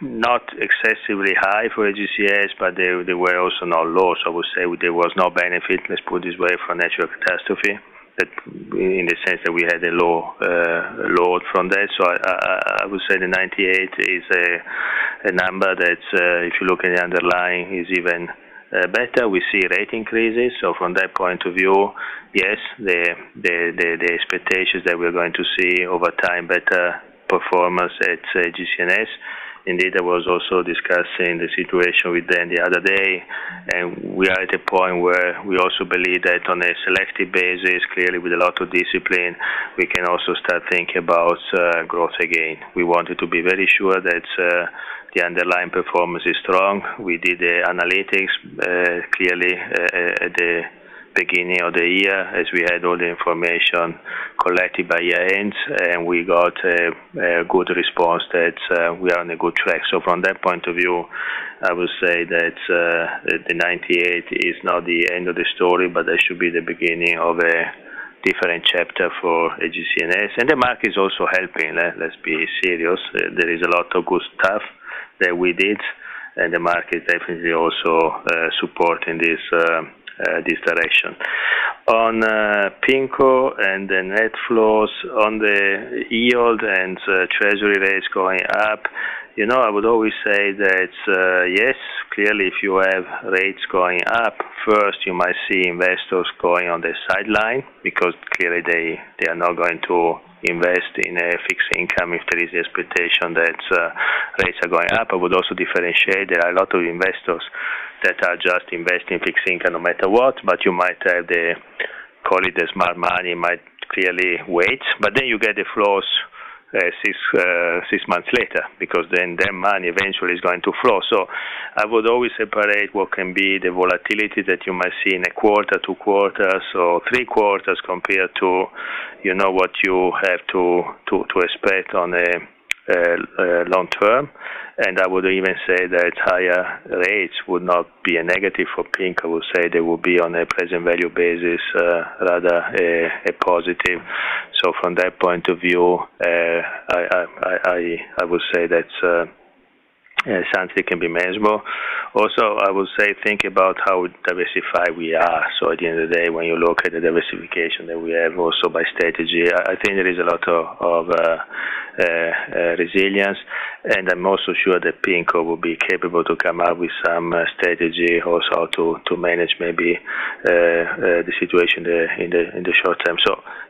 not excessively high for AGCS, but they were also not low. I would say there was no benefit, let's put it this way, for natural catastrophe, in the sense that we had a low load from that. I would say the 92% is a number that if you look at the underlying is even better. We see rate increases. From that point of view, yes, the expectations that we're going to see over time better performance at AGCS. Indeed, I was also discussing the situation with them the other day, and we are at a point where we also believe that on a selective basis, clearly with a lot of discipline, we can also start thinking about growth again. We wanted to be very sure that the underlying performance is strong. We did the analytics, clearly, at the beginning of the year as we had all the information collected by year-end, and we got a good response that we are on a good track. From that point of view, I would say that the 92% is not the end of the story, but that should be the beginning of a different chapter for AGCS. The market is also helping. Let's be serious. There is a lot of good stuff that we did, and the market definitely also supporting this direction. On PIMCO and the net flows on the yield and treasury rates going up, I would always say that, yes, clearly if you have rates going up, first, you might see investors going on the sideline, because clearly they are not going to invest in a fixed income if there is the expectation that rates are going up. I would also differentiate, there are a lot of investors that are just investing fixed income no matter what, but you might have the, call it the smart money, might clearly wait. You get the flows six months later, because then their money eventually is going to flow. I would always separate what can be the volatility that you might see in a quarter, two quarters, or three quarters compared to what you have to expect on a long term. I would even say that higher rates would not be a negative for PIMCO. I would say they would be on a present value basis, rather a positive. From that point of view, I would say that something can be manageable. I would say, think about how diversified we are. At the end of the day, when you look at the diversification that we have also by strategy, I think there is a lot of resilience. I'm also sure that PIMCO will be capable to come up with some strategy also to manage maybe the situation in the short term.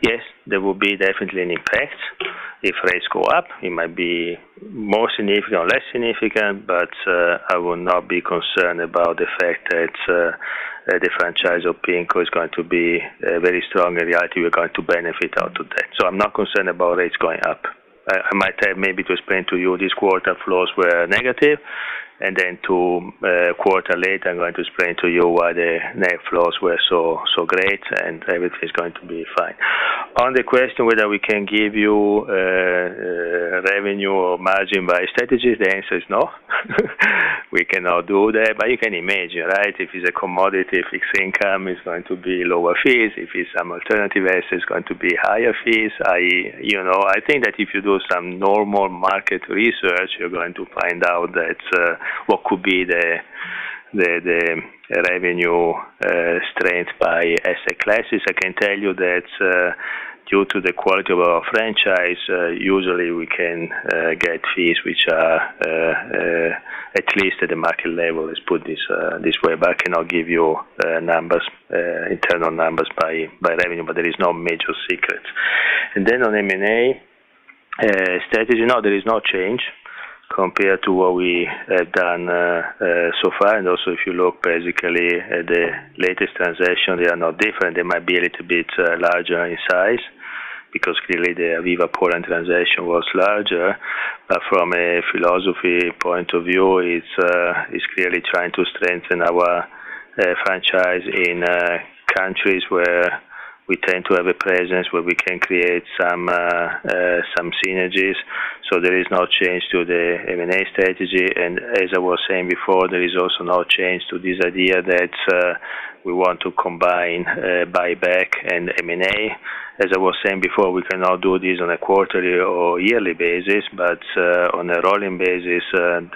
Yes, there will be definitely an impact if rates go up. It might be more significant or less significant, but I would not be concerned about the fact that the franchise of PIMCO is going to be very strong. In reality, we are going to benefit out of that. I'm not concerned about rates going up. I might have maybe to explain to you this quarter flows were negative, and then two quarter later, I'm going to explain to you why the net flows were so great and everything is going to be fine. On the question whether we can give you revenue or margin by strategy, the answer is no. We cannot do that, you can imagine, right? If it's a commodity fixed income, it's going to be lower fees. If it's some alternative asset, it's going to be higher fees. I think that if you do some normal market research, you're going to find out that what could be the revenue strength by asset classes. I can tell you that due to the quality of our franchise, usually we can get fees which are at least at the market level. Let's put it this way. I cannot give you internal numbers by revenue, but there is no major secret. On M&A strategy, no, there is no change compared to what we have done so far. If you look basically at the latest transactions, they are not different. They might be a little bit larger in size, because clearly the Aviva Poland transaction was larger. From a philosophy point of view, it's clearly trying to strengthen our franchise in countries where we tend to have a presence, where we can create some synergies. There is no change to the M&A strategy. As I was saying before, there is also no change to this idea that we want to combine buyback and M&A. As I was saying before, we cannot do this on a quarterly or yearly basis. On a rolling basis,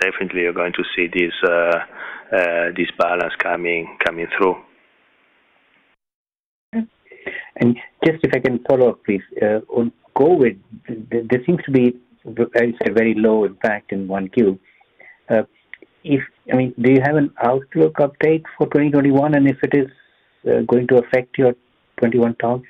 definitely you're going to see this balance coming through. Just if I can follow up, please. On COVID, there seems to be a very low impact in 1Q. Do you have an outlook update for 2021, and if it is going to affect your 2021 targets?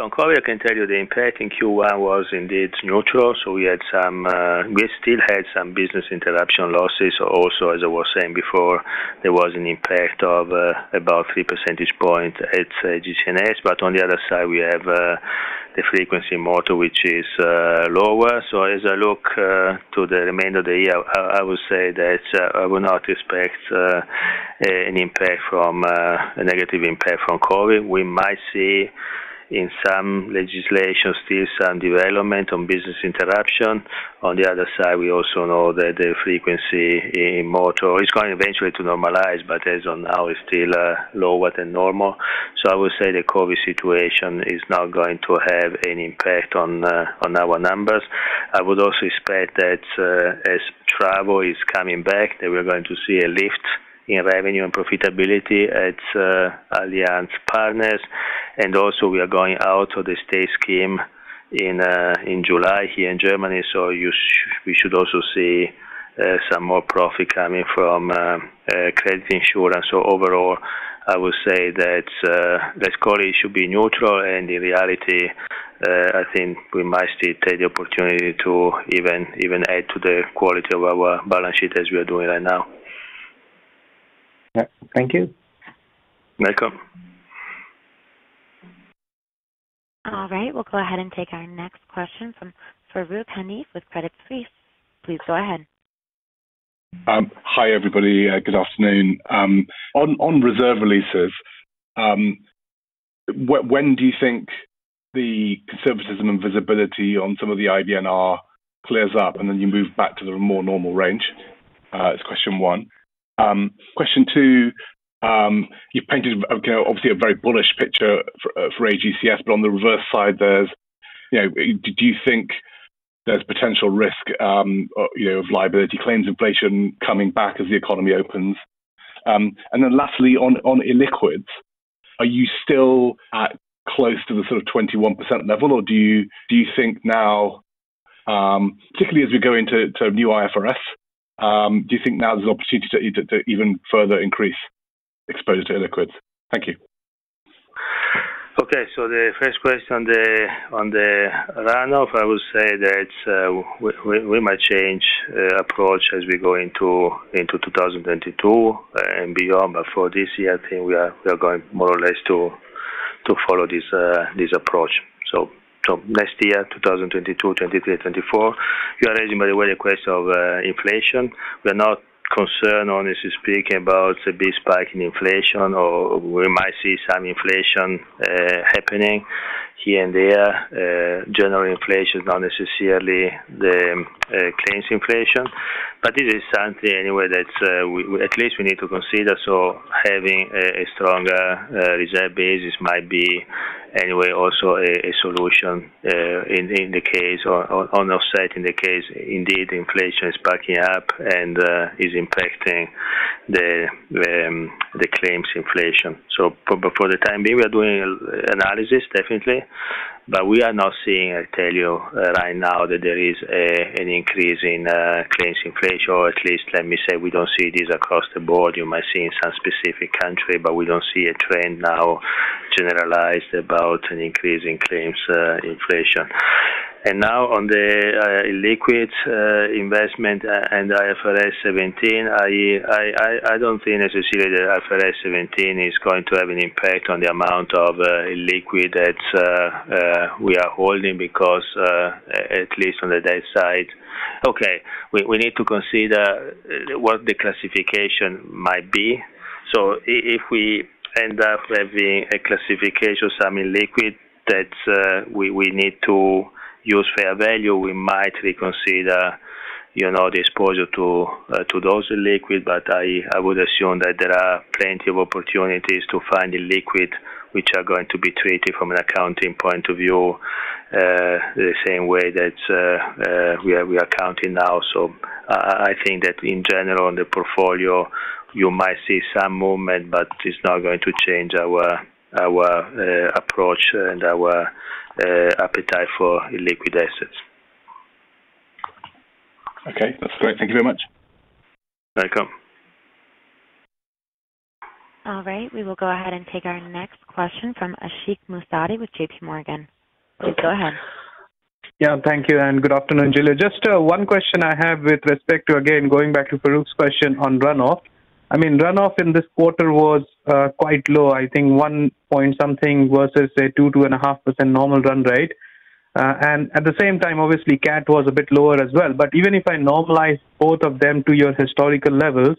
On COVID, I can tell you the impact in Q1 was indeed neutral. We still had some business interruption losses. Also, as I was saying before, there was an impact of about 3 percentage point at AGCS. On the other side, we have the frequency in motor, which is lower. As I look to the remainder of the year, I would say that I would not expect a negative impact from COVID. We might see in some legislation still some development on business interruption. On the other side, we also know that the frequency in motor is going eventually to normalize, but as on now, it's still lower than normal. I would say the COVID situation is not going to have any impact on our numbers. I would also expect that as travel is coming back, that we're going to see a lift in revenue and profitability at Allianz Partners. Also, we are going out of the state scheme in July here in Germany. We should also see some more profit coming from credit insurance. Overall, I would say that COVID should be neutral, and in reality, I think we might still take the opportunity to even add to the quality of our balance sheet as we are doing right now. Yeah. Thank you. Welcome. All right. We'll go ahead and take our next question from Farooq Hanif with Credit Suisse. Please go ahead. Hi, everybody. Good afternoon. On reserve releases, when do you think the conservatism and visibility on some of the IBNR clears up and then you move back to the more normal range? That's question one. Question two, you've painted obviously a very bullish picture for AGCS, but on the reverse side, do you think there's potential risk of liability claims inflation coming back as the economy opens? Lastly, on illiquids, are you still at close to the 21% level? Do you think now, particularly as we go into new IFRS, do you think now there's an opportunity to even further increase exposure to illiquids? Thank you. Okay. The first question on the runoff, I would say that we might change approach as we go into 2022 and beyond. For this year, I think we are going more or less to follow this approach. Next year, 2022, 2023, 2024. You are raising, by the way, the question of inflation. We're not concerned, honestly speaking, about the big spike in inflation, or we might see some inflation happening here and there. General inflation is not necessarily the claims inflation. It is something, anyway, that at least we need to consider. Having a stronger reserve basis might be, anyway, also a solution in the case, or on your side, in the case, indeed, inflation is spiking up and is impacting the claims inflation. For the time being, we are doing analysis, definitely. We are not seeing, I tell you right now, that there is an increase in claims inflation. At least, let me say, we don't see this across the board. You might see in some specific country, but we don't see a trend now generalized about an increase in claims inflation. Now on the illiquid investment and IFRS 17, I don't think necessarily that IFRS 17 is going to have an impact on the amount of illiquid that we are holding because, at least on the debt side. Okay, we need to consider what the classification might be. If we end up having a classification, some illiquid that we need to use fair value, we might reconsider the exposure to those illiquid. I would assume that there are plenty of opportunities to find illiquid, which are going to be treated from an accounting point of view the same way that we are accounting now. I think that in general, in the portfolio, you might see some movement, but it's not going to change our approach and our appetite for illiquid assets. Okay. That's great. Thank you very much. Welcome. All right. We will go ahead and take our next question from Ashik Musaddi with JPMorgan. Please go ahead. Yeah. Thank you. Good afternoon, Giulio. Just one question I have with respect to, again, going back to Farooq's question on runoff. Runoff in this quarter was quite low. I think one point something versus a two, 2.5% normal run rate. At the same time, obviously, cat was a bit lower as well. Even if I normalize both of them to your historical levels,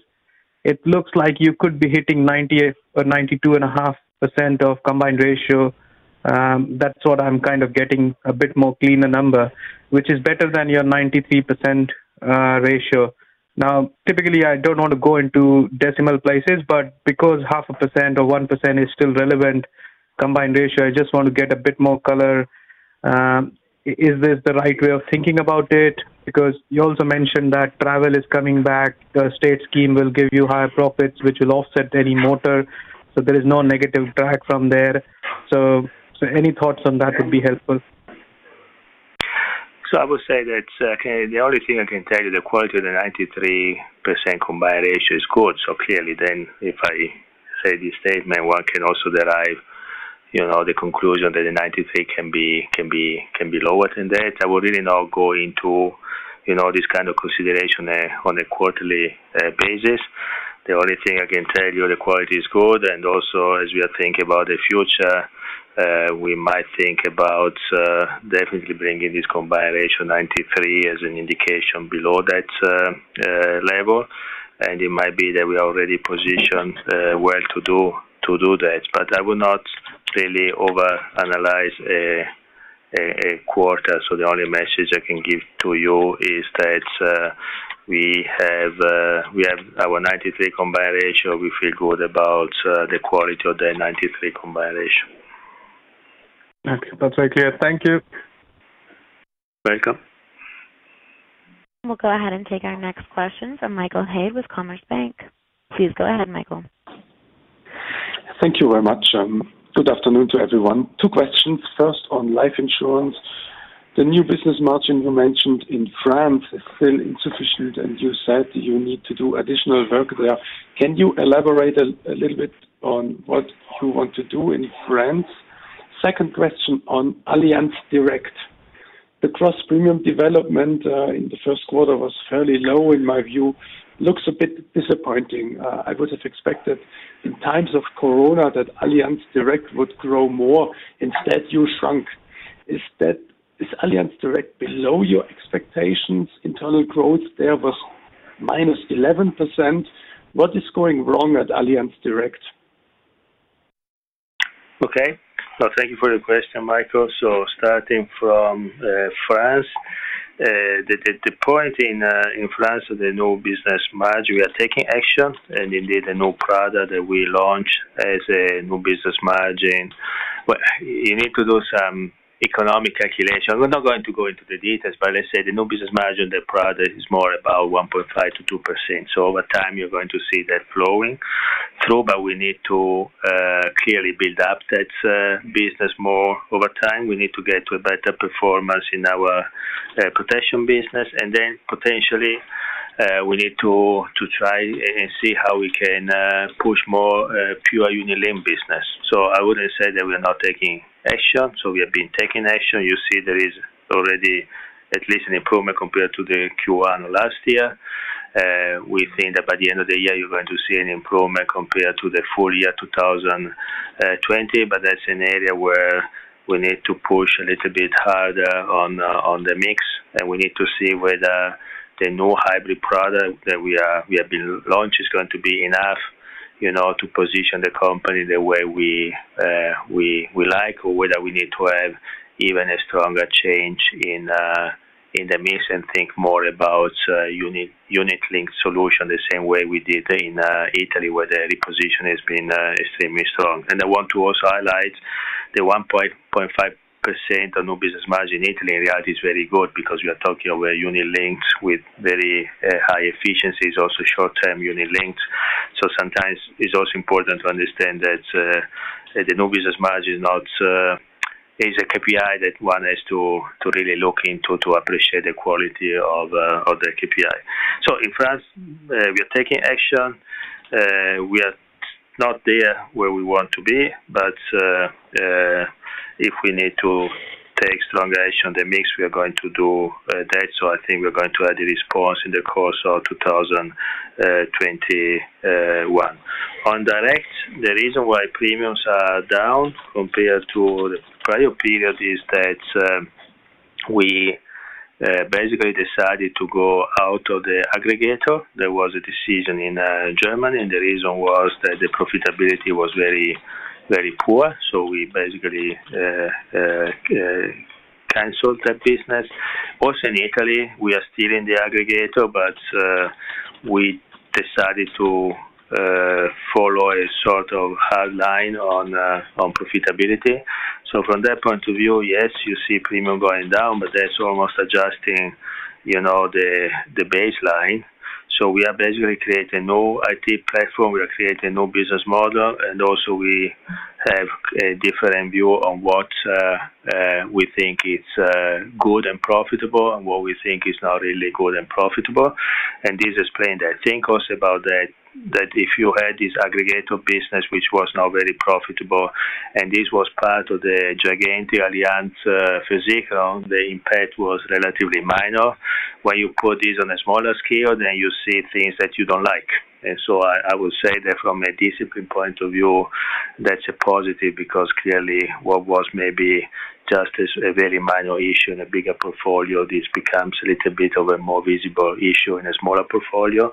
it looks like you could be hitting 92% or 92.5% of combined ratio. That's what I'm getting, a bit more cleaner number, which is better than your 93% ratio. Now, typically, I don't want to go into decimal places, because 0.5% or 1% is still relevant combined ratio, I just want to get a bit more color. Is this the right way of thinking about it? You also mentioned that travel is coming back. The state scheme will give you higher profits, which will offset any motor. There is no negative drag from there. Any thoughts on that would be helpful. I would say that, okay, the only thing I can tell you, the quality of the 93% combined ratio is good. Clearly then, if I say this statement, one can also derive the conclusion that the 93% can be lower than that. I would really not go into this kind of consideration on a quarterly basis. The only thing I can tell you, the quality is good, and also, as we are thinking about the future, we might think about definitely bringing this combined ratio 93% as an indication below that level. It might be that we are already positioned well to do that. I would not really overanalyze a quarter. The only message I can give to you is that we have our 93% combined ratio. We feel good about the quality of the 93% combined ratio. Okay. That's very clear. Thank you. Welcome. We'll go ahead and take our next question from Michael Haid with Commerzbank. Please go ahead, Michael. Thank you very much. Good afternoon to everyone. Two questions. First, on Life insurance. The new business margin you mentioned in France is still insufficient, and you said you need to do additional work there. Can you elaborate a little bit on what you want to do in France? Second question on Allianz Direct. The gross premium development in the first quarter was fairly low, in my view. Looks a bit disappointing. I would have expected in times of COVID that Allianz Direct would grow more. Instead, you shrunk. Is Allianz Direct below your expectations? Internal growth there was -11%. What is going wrong at Allianz Direct? Okay. Thank you for the question, Michael. Starting from France, the point in France with the new business margin, we are taking action, and indeed a new product that we launch as a new business margin. You need to do some economic calculation. We're not going to go into the details, but let's say the new business margin, the product is more about 1.5%-2%. Over time, you're going to see that flowing through, but we need to clearly build up that business more over time. We need to get to a better performance in our protection business, and then potentially, we need to try and see how we can push more pure unit-linked business. I wouldn't say that we're not taking action. We have been taking action. You see there is already at least an improvement compared to the Q1 last year. We think that by the end of the year, you're going to see an improvement compared to the full year 2020. That's an area where we need to push a little bit harder on the mix. We need to see whether the new hybrid product that we have been launched is going to be enough to position the company the way we like, or whether we need to have even a stronger change in the mix and think more about unit-linked solution, the same way we did in Italy, where the reposition has been extremely strong. I want to also highlight the 1.5% of new business margin in Italy, in reality, is very good because we are talking about unit-linked with very high efficiencies, also short-term unit-linked. Sometimes it's also important to understand that the new business margin is a KPI that one has to really look into to appreciate the quality of the KPI. In France, we are taking action. We are not there where we want to be, but if we need to take stronger action on the mix, we are going to do that. I think we're going to have the response in the course of 2021. On Direct, the reason why premiums are down compared to the prior period is that we basically decided to go out of the aggregator. There was a decision in Germany, and the reason was that the profitability was very poor. We basically canceled that business. Also in Italy, we are still in the aggregator, but we decided to follow a sort of hard line on profitability. From that point of view, yes, you see premium going down, but that's almost adjusting the baseline. We are basically creating a new IT platform. We are creating a new business model, and also we have a different view on what we think it's good and profitable and what we think is not really good and profitable. This explained that. Think also about that if you had this aggregator business, which was not very profitable, and this was part of the giant Allianz, the impact was relatively minor. When you put this on a smaller scale, then you see things that you don't like. I would say that from a discipline point of view, that's a positive because clearly what was maybe just a very minor issue in a bigger portfolio, this becomes a little bit of a more visible issue in a smaller portfolio,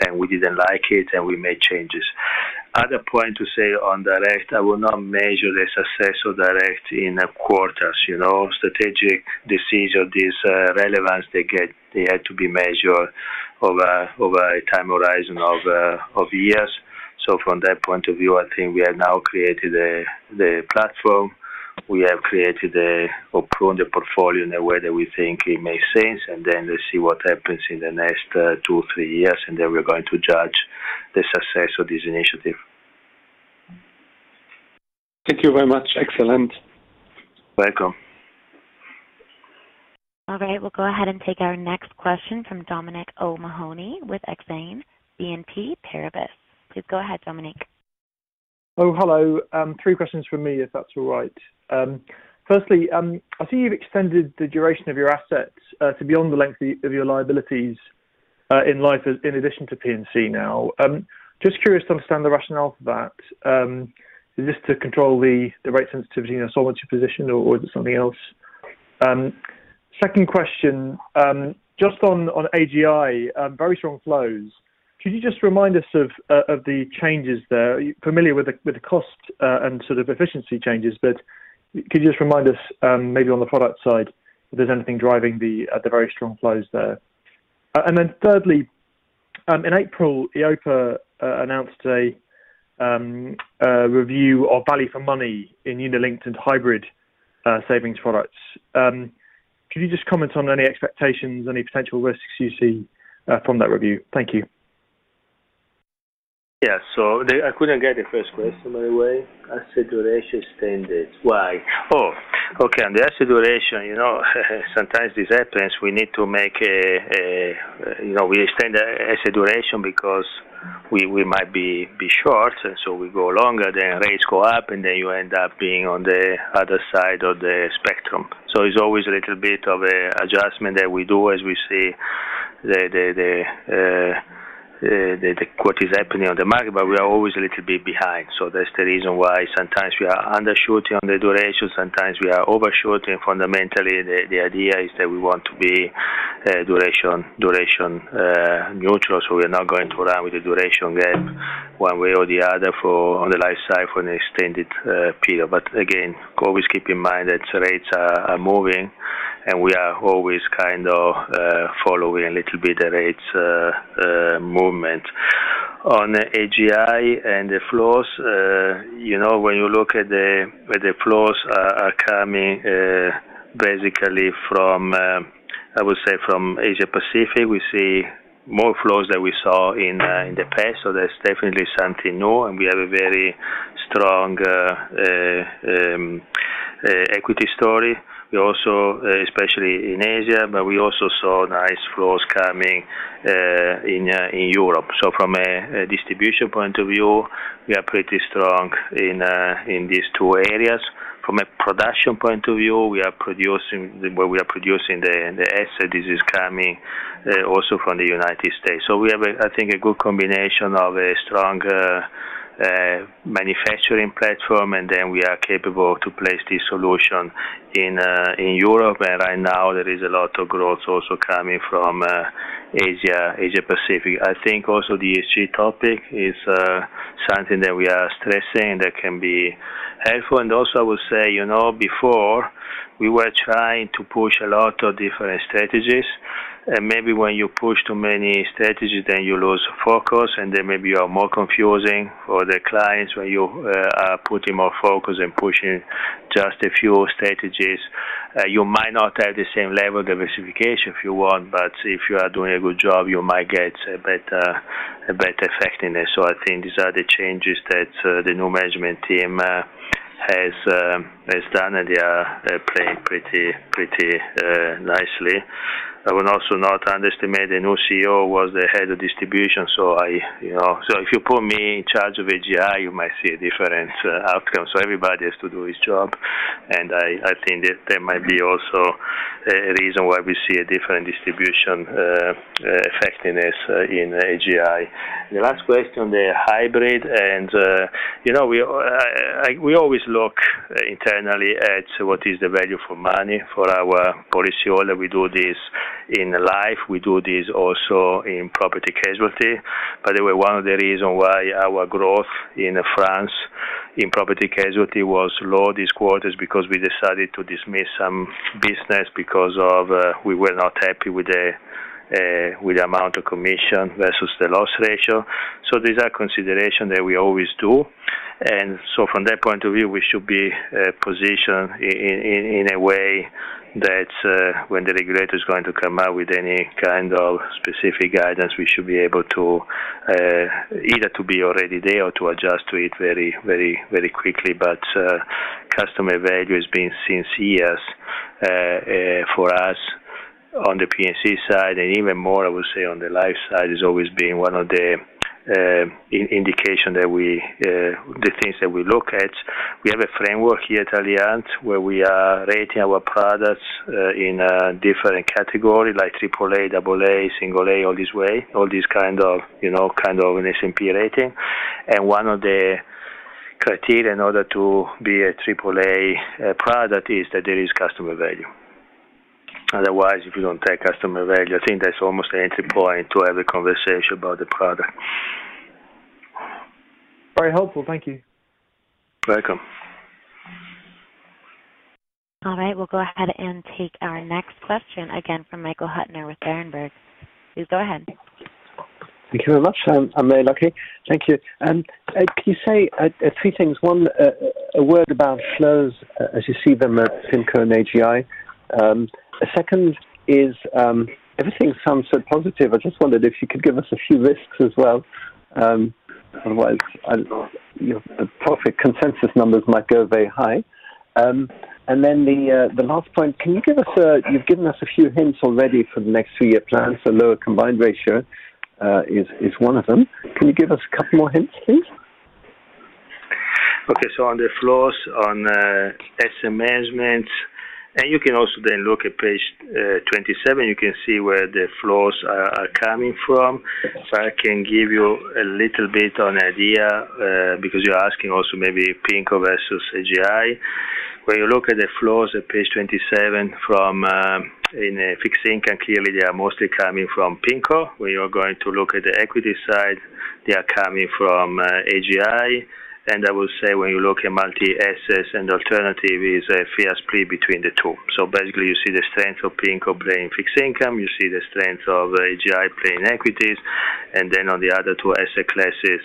and we didn't like it, and we made changes. Other point to say on Direct, I will not measure the success of Direct in quarters. Strategic decision, this relevance, they had to be measured over a time horizon of years. From that point of view, I think we have now created the platform. We have created or pruned the portfolio in a way that we think it makes sense, and then let's see what happens in the next two, three years, and then we're going to judge the success of this initiative. Thank you very much. Excellent. Welcome. All right. We'll go ahead and take our next question from Dominic O'Mahony with Exane BNP Paribas. Please go ahead, Dominic. Oh, hello. Three questions from me, if that's all right. Firstly, I see you've extended the duration of your assets to beyond the length of your liabilities in Life, in addition to P&C now. Just curious to understand the rationale for that. Is this to control the rate sensitivity in a Solvency II position, or is it something else? Second question, just on AGI, very strong flows. Could you just remind us of the changes there? You're familiar with the cost and sort of efficiency changes, but could you just remind us, maybe on the product side, if there's anything driving the very strong flows there? Thirdly, in April, EIOPA announced a review of value for money in unit-linked and hybrid savings products. Can you just comment on any expectations, any potential risks you see from that review? Thank you. Yeah. I couldn't get the first question, by the way. Asset duration extended. Why? Oh, okay. On the asset duration, sometimes this happens, we extend asset duration because we might be short, we go longer, rates go up, you end up being on the other side of the spectrum. It's always a little bit of adjustment that we do as we see what is happening on the market, but we are always a little bit behind. That's the reason why sometimes we are undershooting on the duration, sometimes we are overshooting. Fundamentally, the idea is that we want to be duration neutral, we are not going to run with the duration game one way or the other on the life cycle for an extended period. Again, always keep in mind that rates are moving, and we are always kind of following a little bit the rates movement. On AGI and the flows, when you look at where the flows are coming, basically from, I would say from Asia-Pacific, we see more flows than we saw in the past. That's definitely something new, and we have a very strong equity story, especially in Asia, but we also saw nice flows coming in Europe. From a distribution point of view, we are pretty strong in these two areas. From a production point of view, where we are producing the asset, this is coming also from the United States. We have, I think, a good combination of a strong manufacturing platform, and then we are capable to place the solution in Europe. Right now, there is a lot of growth also coming from Asia-Pacific. I think also the ESG topic is something that we are stressing that can be helpful. Also, I would say, before, we were trying to push a lot of different strategies. Maybe when you push too many strategies, then you lose focus, and then maybe you are more confusing for the clients when you are putting more focus and pushing just a few strategies. You might not have the same level of diversification if you want, but if you are doing a good job, you might get a better effectiveness. I think these are the changes that the new management team has done, and they are playing pretty nicely. I would also not underestimate the new CEO who was the head of distribution. If you put me in charge of AGI, you might see a different outcome. Everybody has to do his job, and I think that there might be also a reason why we see a different distribution effectiveness in AGI. The last question, the hybrid, and we always look internally at what is the value for money for our policyholder. We do this in Life. We do this also in Property-Casualty. By the way, one of the reasons why our growth in France in Property-Casualty was low this quarter is because we decided to dismiss some business because we were not happy with the amount of commission versus the loss ratio. These are considerations that we always do. From that point of view, we should be positioned in a way that when the regulator is going to come out with any kind of specific guidance, we should be able either to be already there or to adjust to it very quickly. Customer value has been since years for us on the P&C side, and even more, I would say on the life side, has always been one of the things that we look at. We have a framework here at Allianz where we are rating our products in different categories like AAA, AA, A, all this way, all these kind of an S&P rating. One of the criteria in order to be a AAA product is that there is customer value. Otherwise, if you don't take customer value, I think that's almost an entry point to have a conversation about the product. Very helpful. Thank you. Welcome. All right. We'll go ahead and take our next question again from Michael Huttner with Berenberg. Please go ahead. Thank you very much. I'm very lucky. Thank you. Can you say three things? One, a word about flows as you see them at PIMCO and AGI. Second is, everything sounds so positive. I just wondered if you could give us a few risks as well. Otherwise, the profit consensus numbers might go very high. The last point, you've given us a few hints already for the next three-year plan. Lower combined ratio is one of them. Can you give us a couple more hints, please? On the flows on Asset Management, and you can also then look at page 27, you can see where the flows are coming from. I can give you a little bit on idea, because you're asking also maybe PIMCO versus AGI. When you look at the flows at page 27 from in fixed income, clearly, they are mostly coming from PIMCO. When you are going to look at the equity side, they are coming from AGI. I would say when you look at multi assets and alternative, it's a fair split between the two. Basically, you see the strength of PIMCO playing fixed income, you see the strength of AGI playing equities, and then on the other two asset classes,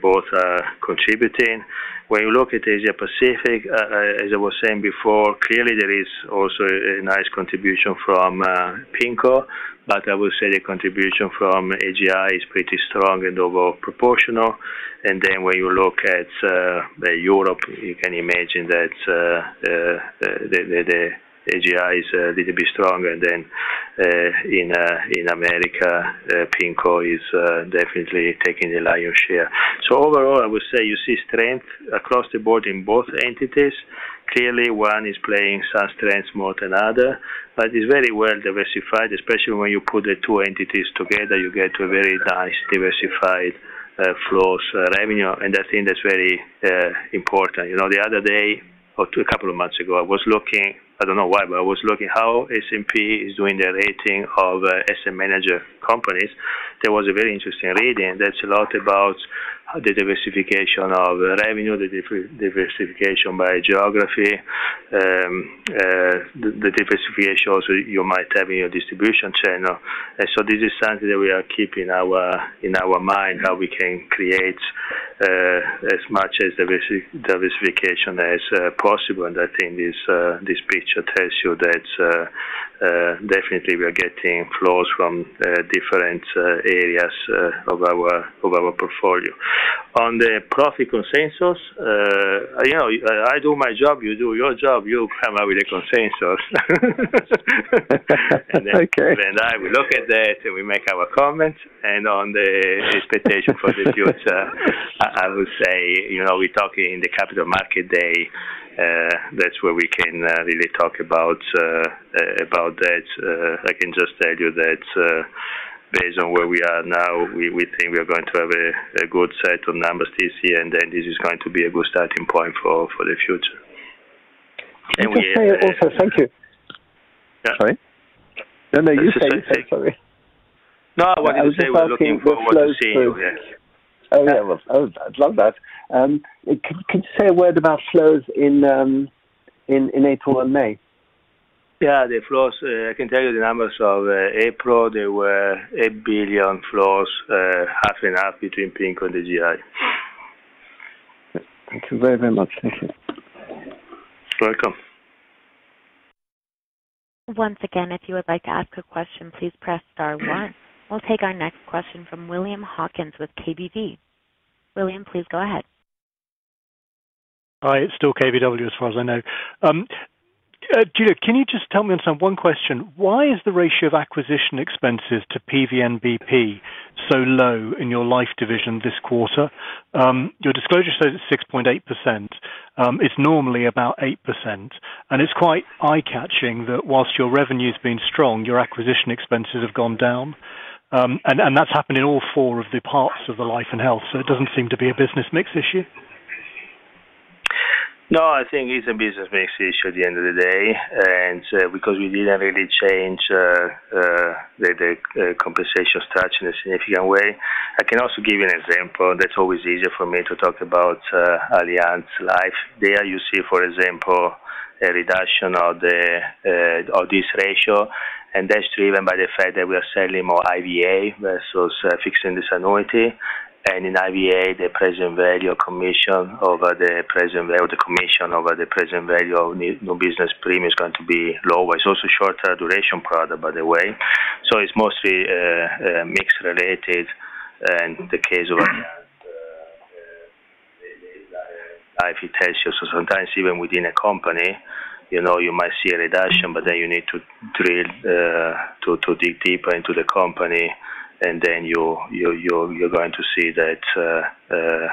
both are contributing. When you look at Asia-Pacific, as I was saying before, clearly there is also a nice contribution from PIMCO. I would say the contribution from AGI is pretty strong and over proportional. When you look at Europe, you can imagine that the AGI is a little bit stronger than in America. PIMCO is definitely taking the lion's share. Overall, I would say you see strength across the board in both entities. Clearly, one is playing some strengths more than other, but it's very well diversified, especially when you put the two entities together, you get a very nice diversified flows revenue, and I think that's very important. The other day or a couple of months ago, I don't know why, but I was looking how S&P is doing their rating of asset manager companies. There was a very interesting reading that's a lot about the diversification of revenue, the diversification by geography, the diversification also you might have in your distribution channel. This is something that we are keeping in our mind, how we can create as much as diversification as possible, and I think this picture tells you that definitely we are getting flows from different areas of our portfolio. On the profit consensus, I do my job, you do your job, you come up with a consensus. Okay. I will look at that, and we make our comments, and on the expectation for the future, I would say, we talk in the Capital Markets Day, that's where we can really talk about that. I can just tell you that based on where we are now, we think we are going to have a good set of numbers this year, and then this is going to be a good starting point for the future. Thank you. Yeah. Sorry. No, no, you say it. Sorry. No, I wanted to say we're looking forward to seeing your reaction. Oh, yeah. I'd love that. Can you say a word about flows in April and May? Yeah. I can tell you the numbers of April. There were 8 billion flows, half and half between PIMCO and the AGI. Thank you very, very much. Thank you. You're welcome. Once again, if you would like to ask a question, please press star one. We'll take our next question from William Hawkins with KBW. William, please go ahead. Hi, it's still KBW as far as I know. Giulio, can you just tell me just one question? Why is the ratio of acquisition expenses to PVNBP so low in your life division this quarter? Your disclosure says it's 6.8%. It's normally about 8%. It's quite eye-catching that whilst your revenue's been strong, your acquisition expenses have gone down. That's happened in all four of the parts of the life and health, so it doesn't seem to be a business mix issue. No, I think it's a business mix issue at the end of the day. Because we didn't really change the compensation structure in a significant way. I can also give you an example. That's always easier for me to talk about Allianz Life. There you see, for example, a reduction of this ratio, and that's driven by the fact that we are selling more FIA, so it's fixed index annuity. In FIA, the present value commission over the present value of new business premium is going to be lower. It's also shorter duration product, by the way. It's mostly mix related and the case of Allianz. Sometimes even within a company, you might see a reduction, you need to dig deeper into the company, you're going to see that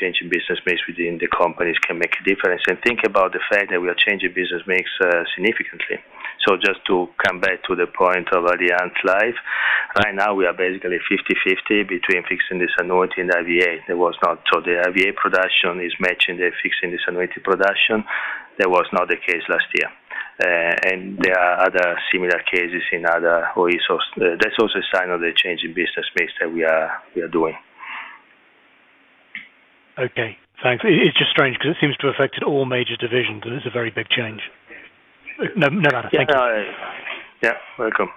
change in business mix within the companies can make a difference. Think about the fact that we are changing business mix significantly. Just to come back to the point of Allianz Life. Right now we are basically 50/50 between fixed index annuity or FIA. The FIA production is matching the fixed index annuity production. That was not the case last year. There are other similar cases in other resource. That's also a sign of the change in business mix that we are doing. Okay, thanks. It's just strange because it seems to have affected all major divisions, and it's a very big change. No, no. Thank you. Yeah. You're welcome.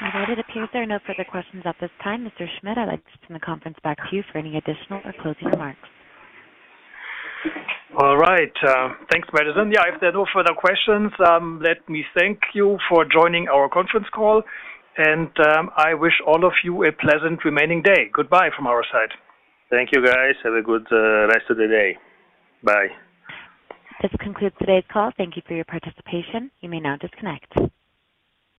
That it appears there are no further questions at this time. Mr. Schmidt, I'd like to turn the conference back to you for any additional or closing remarks. All right. Thanks, Madison. Yeah, if there are no further questions, let me thank you for joining our conference call, and I wish all of you a pleasant remaining day. Goodbye from our side. Thank you, guys. Have a good rest of the day. Bye. This concludes today's call. Thank you for your participation. You may now disconnect.